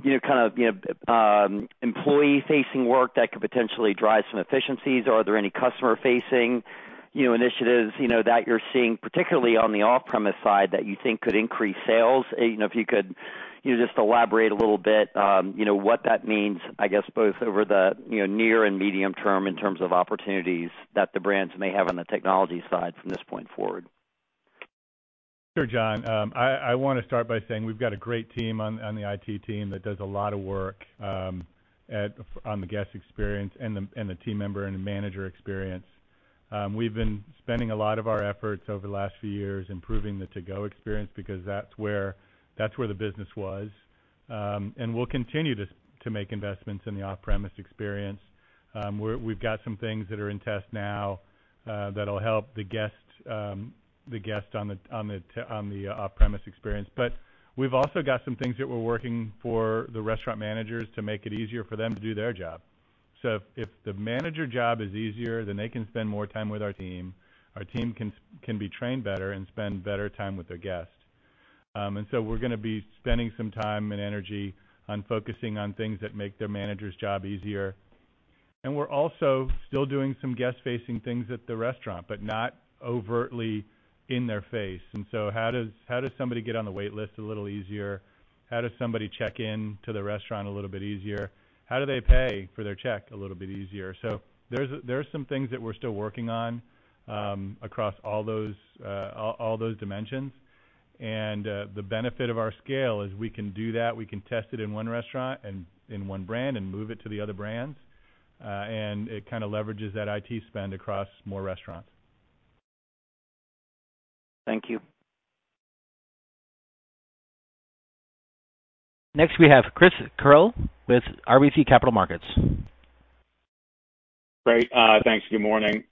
you know, kind of, you know, employee-facing work that could potentially drive some efficiencies? Or are there any customer-facing, you know, initiatives, you know, that you're seeing, particularly on the off-premise side, that you think could increase sales? You know, if you could, you know, just elaborate a little bit, you know, what that means, I guess both over the, you know, near and medium term in terms of opportunities that the brands may have on the technology side from this point forward. Sure, John. I wanna start by saying we've got a great team on the IT team that does a lot of work on the guest experience and the team member and the manager experience. We've been spending a lot of our efforts over the last few years improving the to-go experience because that's where the business was. We'll continue to make investments in the off-premise experience. We've got some things that are in test now that'll help the guest on the off-premise experience. We've also got some things that we're working for the restaurant managers to make it easier for them to do their job. If the manager job is easier, then they can spend more time with our team. Our team can be trained better and spend better time with their guests. We're gonna be spending some time and energy on focusing on things that make their manager's job easier. We're also still doing some guest-facing things at the restaurant, but not overtly in their face. How does somebody get on the wait list a little easier? How does somebody check in to the restaurant a little bit easier? How do they pay for their check a little bit easier? There's some things that we're still working on across all those dimensions. The benefit of our scale is we can do that. We can test it in one restaurant and in one brand and move it to the other brands. It kind of leverages that IT spend across more restaurants. Thank you. Next we have Chris Carril with RBC Capital Markets. Great. Thanks. Good morning.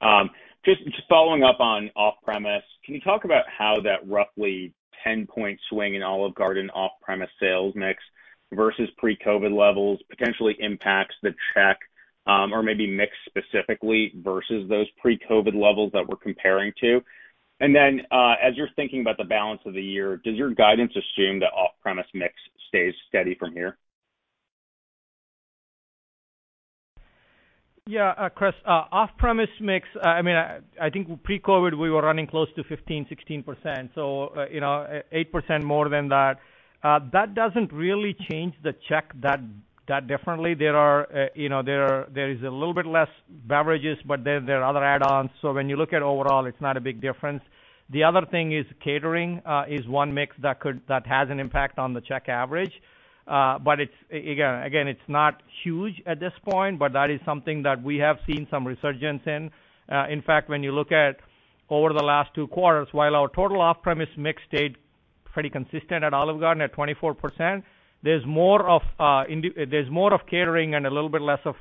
Just following up on off-premise, can you talk about how that roughly 10-point swing in Olive Garden off-premise sales mix versus pre-COVID levels potentially impacts the check, or maybe mix specifically versus those pre-COVID levels that we're comparing to? As you're thinking about the balance of the year, does your guidance assume the off-premise mix stays steady from here? Yeah, Chris, off-premise mix. I mean, I think pre-COVID, we were running close to 15%-16%. You know, 8% more than that. That doesn't really change the check all that differently. You know, there is a little bit less beverages, but there are other add-ons. When you look at the overall, it's not a big difference. The other thing is catering is one mix that has an impact on the check average. Again, it's not huge at this point, but that is something that we have seen some resurgence in. In fact, when you look at over the last two quarters, while our total off-premise mix stayed pretty consistent at Olive Garden at 24%, there's more of catering and a little bit less of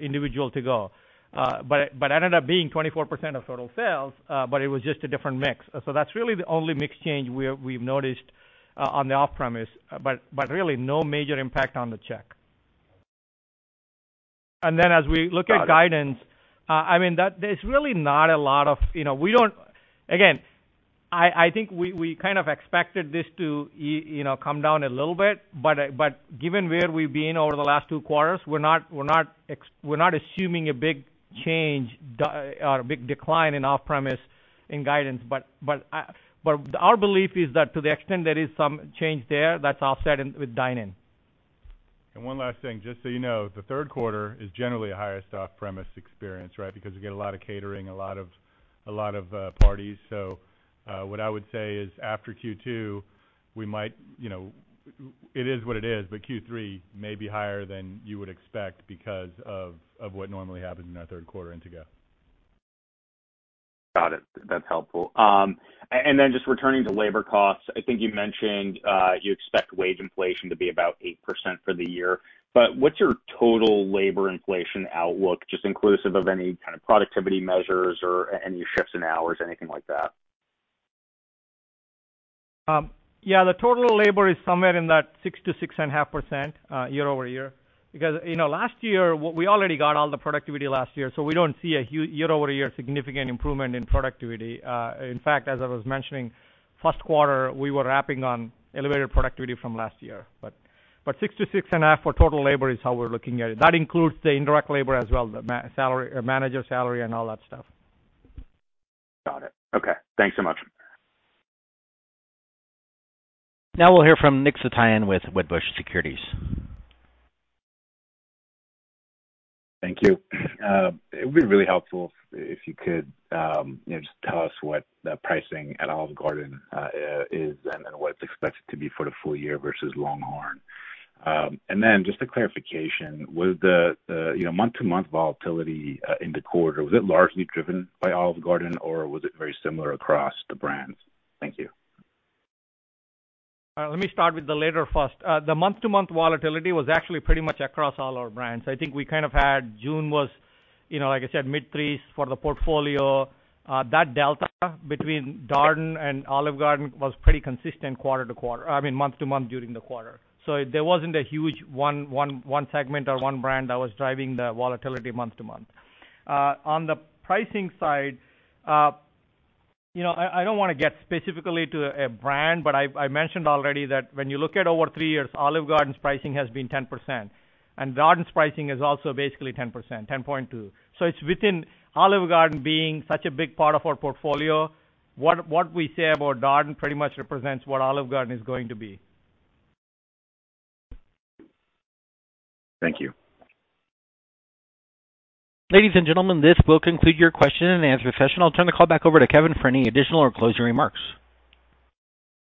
individual to-go, but ended up being 24% of total sales, but it was just a different mix. That's really the only mix change we've noticed on the off-premise, but really no major impact on the check. As we look at guidance, I mean, there's really not a lot of, you know, we don't. Again, I think we kind of expected this to you know, come down a little bit, but given where we've been over the last two quarters, we're not assuming a big change or a big decline in off-premise in guidance. Our belief is that to the extent there is some change there, that's offset with dine in. One last thing, just so you know, the third quarter is generally a higher off-premise experience, right? Because you get a lot of catering, a lot of parties. What I would say is after Q2, we might, you know. It is what it is, but Q3 may be higher than you would expect because of what normally happens in our third quarter to-go. Got it. That's helpful. Just returning to labor costs. I think you mentioned, you expect wage inflation to be about 8% for the year, but what's your total labor inflation outlook, just inclusive of any kind of productivity measures or any shifts in hours, anything like that? Yeah, the total labor is somewhere in that 6%-6.5%, year-over-year. Because, you know, last year, we already got all the productivity last year, so we don't see a huge year-over-year significant improvement in productivity. In fact, as I was mentioning, first quarter, we were lapping elevated productivity from last year. 6%-6.5% for total labor is how we're looking at it. That includes the indirect labor as well, the manager salary and all that stuff. Got it. Okay. Thanks so much. Now we'll hear from Nick Setyan with Wedbush Securities. Thank you. It would be really helpful if you could, you know, just tell us what the pricing at Olive Garden is and then what it's expected to be for the full year versus LongHorn. Just a clarification, was the you know month-to-month volatility in the quarter, was it largely driven by Olive Garden or was it very similar across the brands? Thank you. Let me start with the latter first. The month-to-month volatility was actually pretty much across all our brands. I think we kind of had June was, you know, like I said, mid-3s for the portfolio. That delta between Darden and Olive Garden was pretty consistent quarter-over-quarter, I mean, month-over-month during the quarter. There wasn't a huge one segment or one brand that was driving the volatility month to month. On the pricing side, you know, I don't wanna get specifically to a brand, but I mentioned already that when you look at over three years, Olive Garden's pricing has been 10%, and Darden's pricing is also basically 10%, 10.2. It's within Olive Garden being such a big part of our portfolio, what we say about Darden pretty much represents what Olive Garden is going to be. Thank you. Ladies and gentlemen, this will conclude your question and answer session. I'll turn the call back over to Kevin for any additional or closing remarks.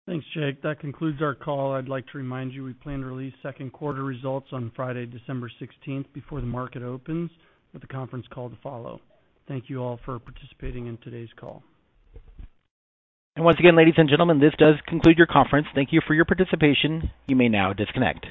Thanks, Jake. That concludes our call. I'd like to remind you, we plan to release second quarter results on Friday, December 16th, before the market opens with a conference call to follow. Thank you all for participating in today's call. Once again, ladies and gentlemen, this does conclude your conference. Thank you for your participation. You may now disconnect.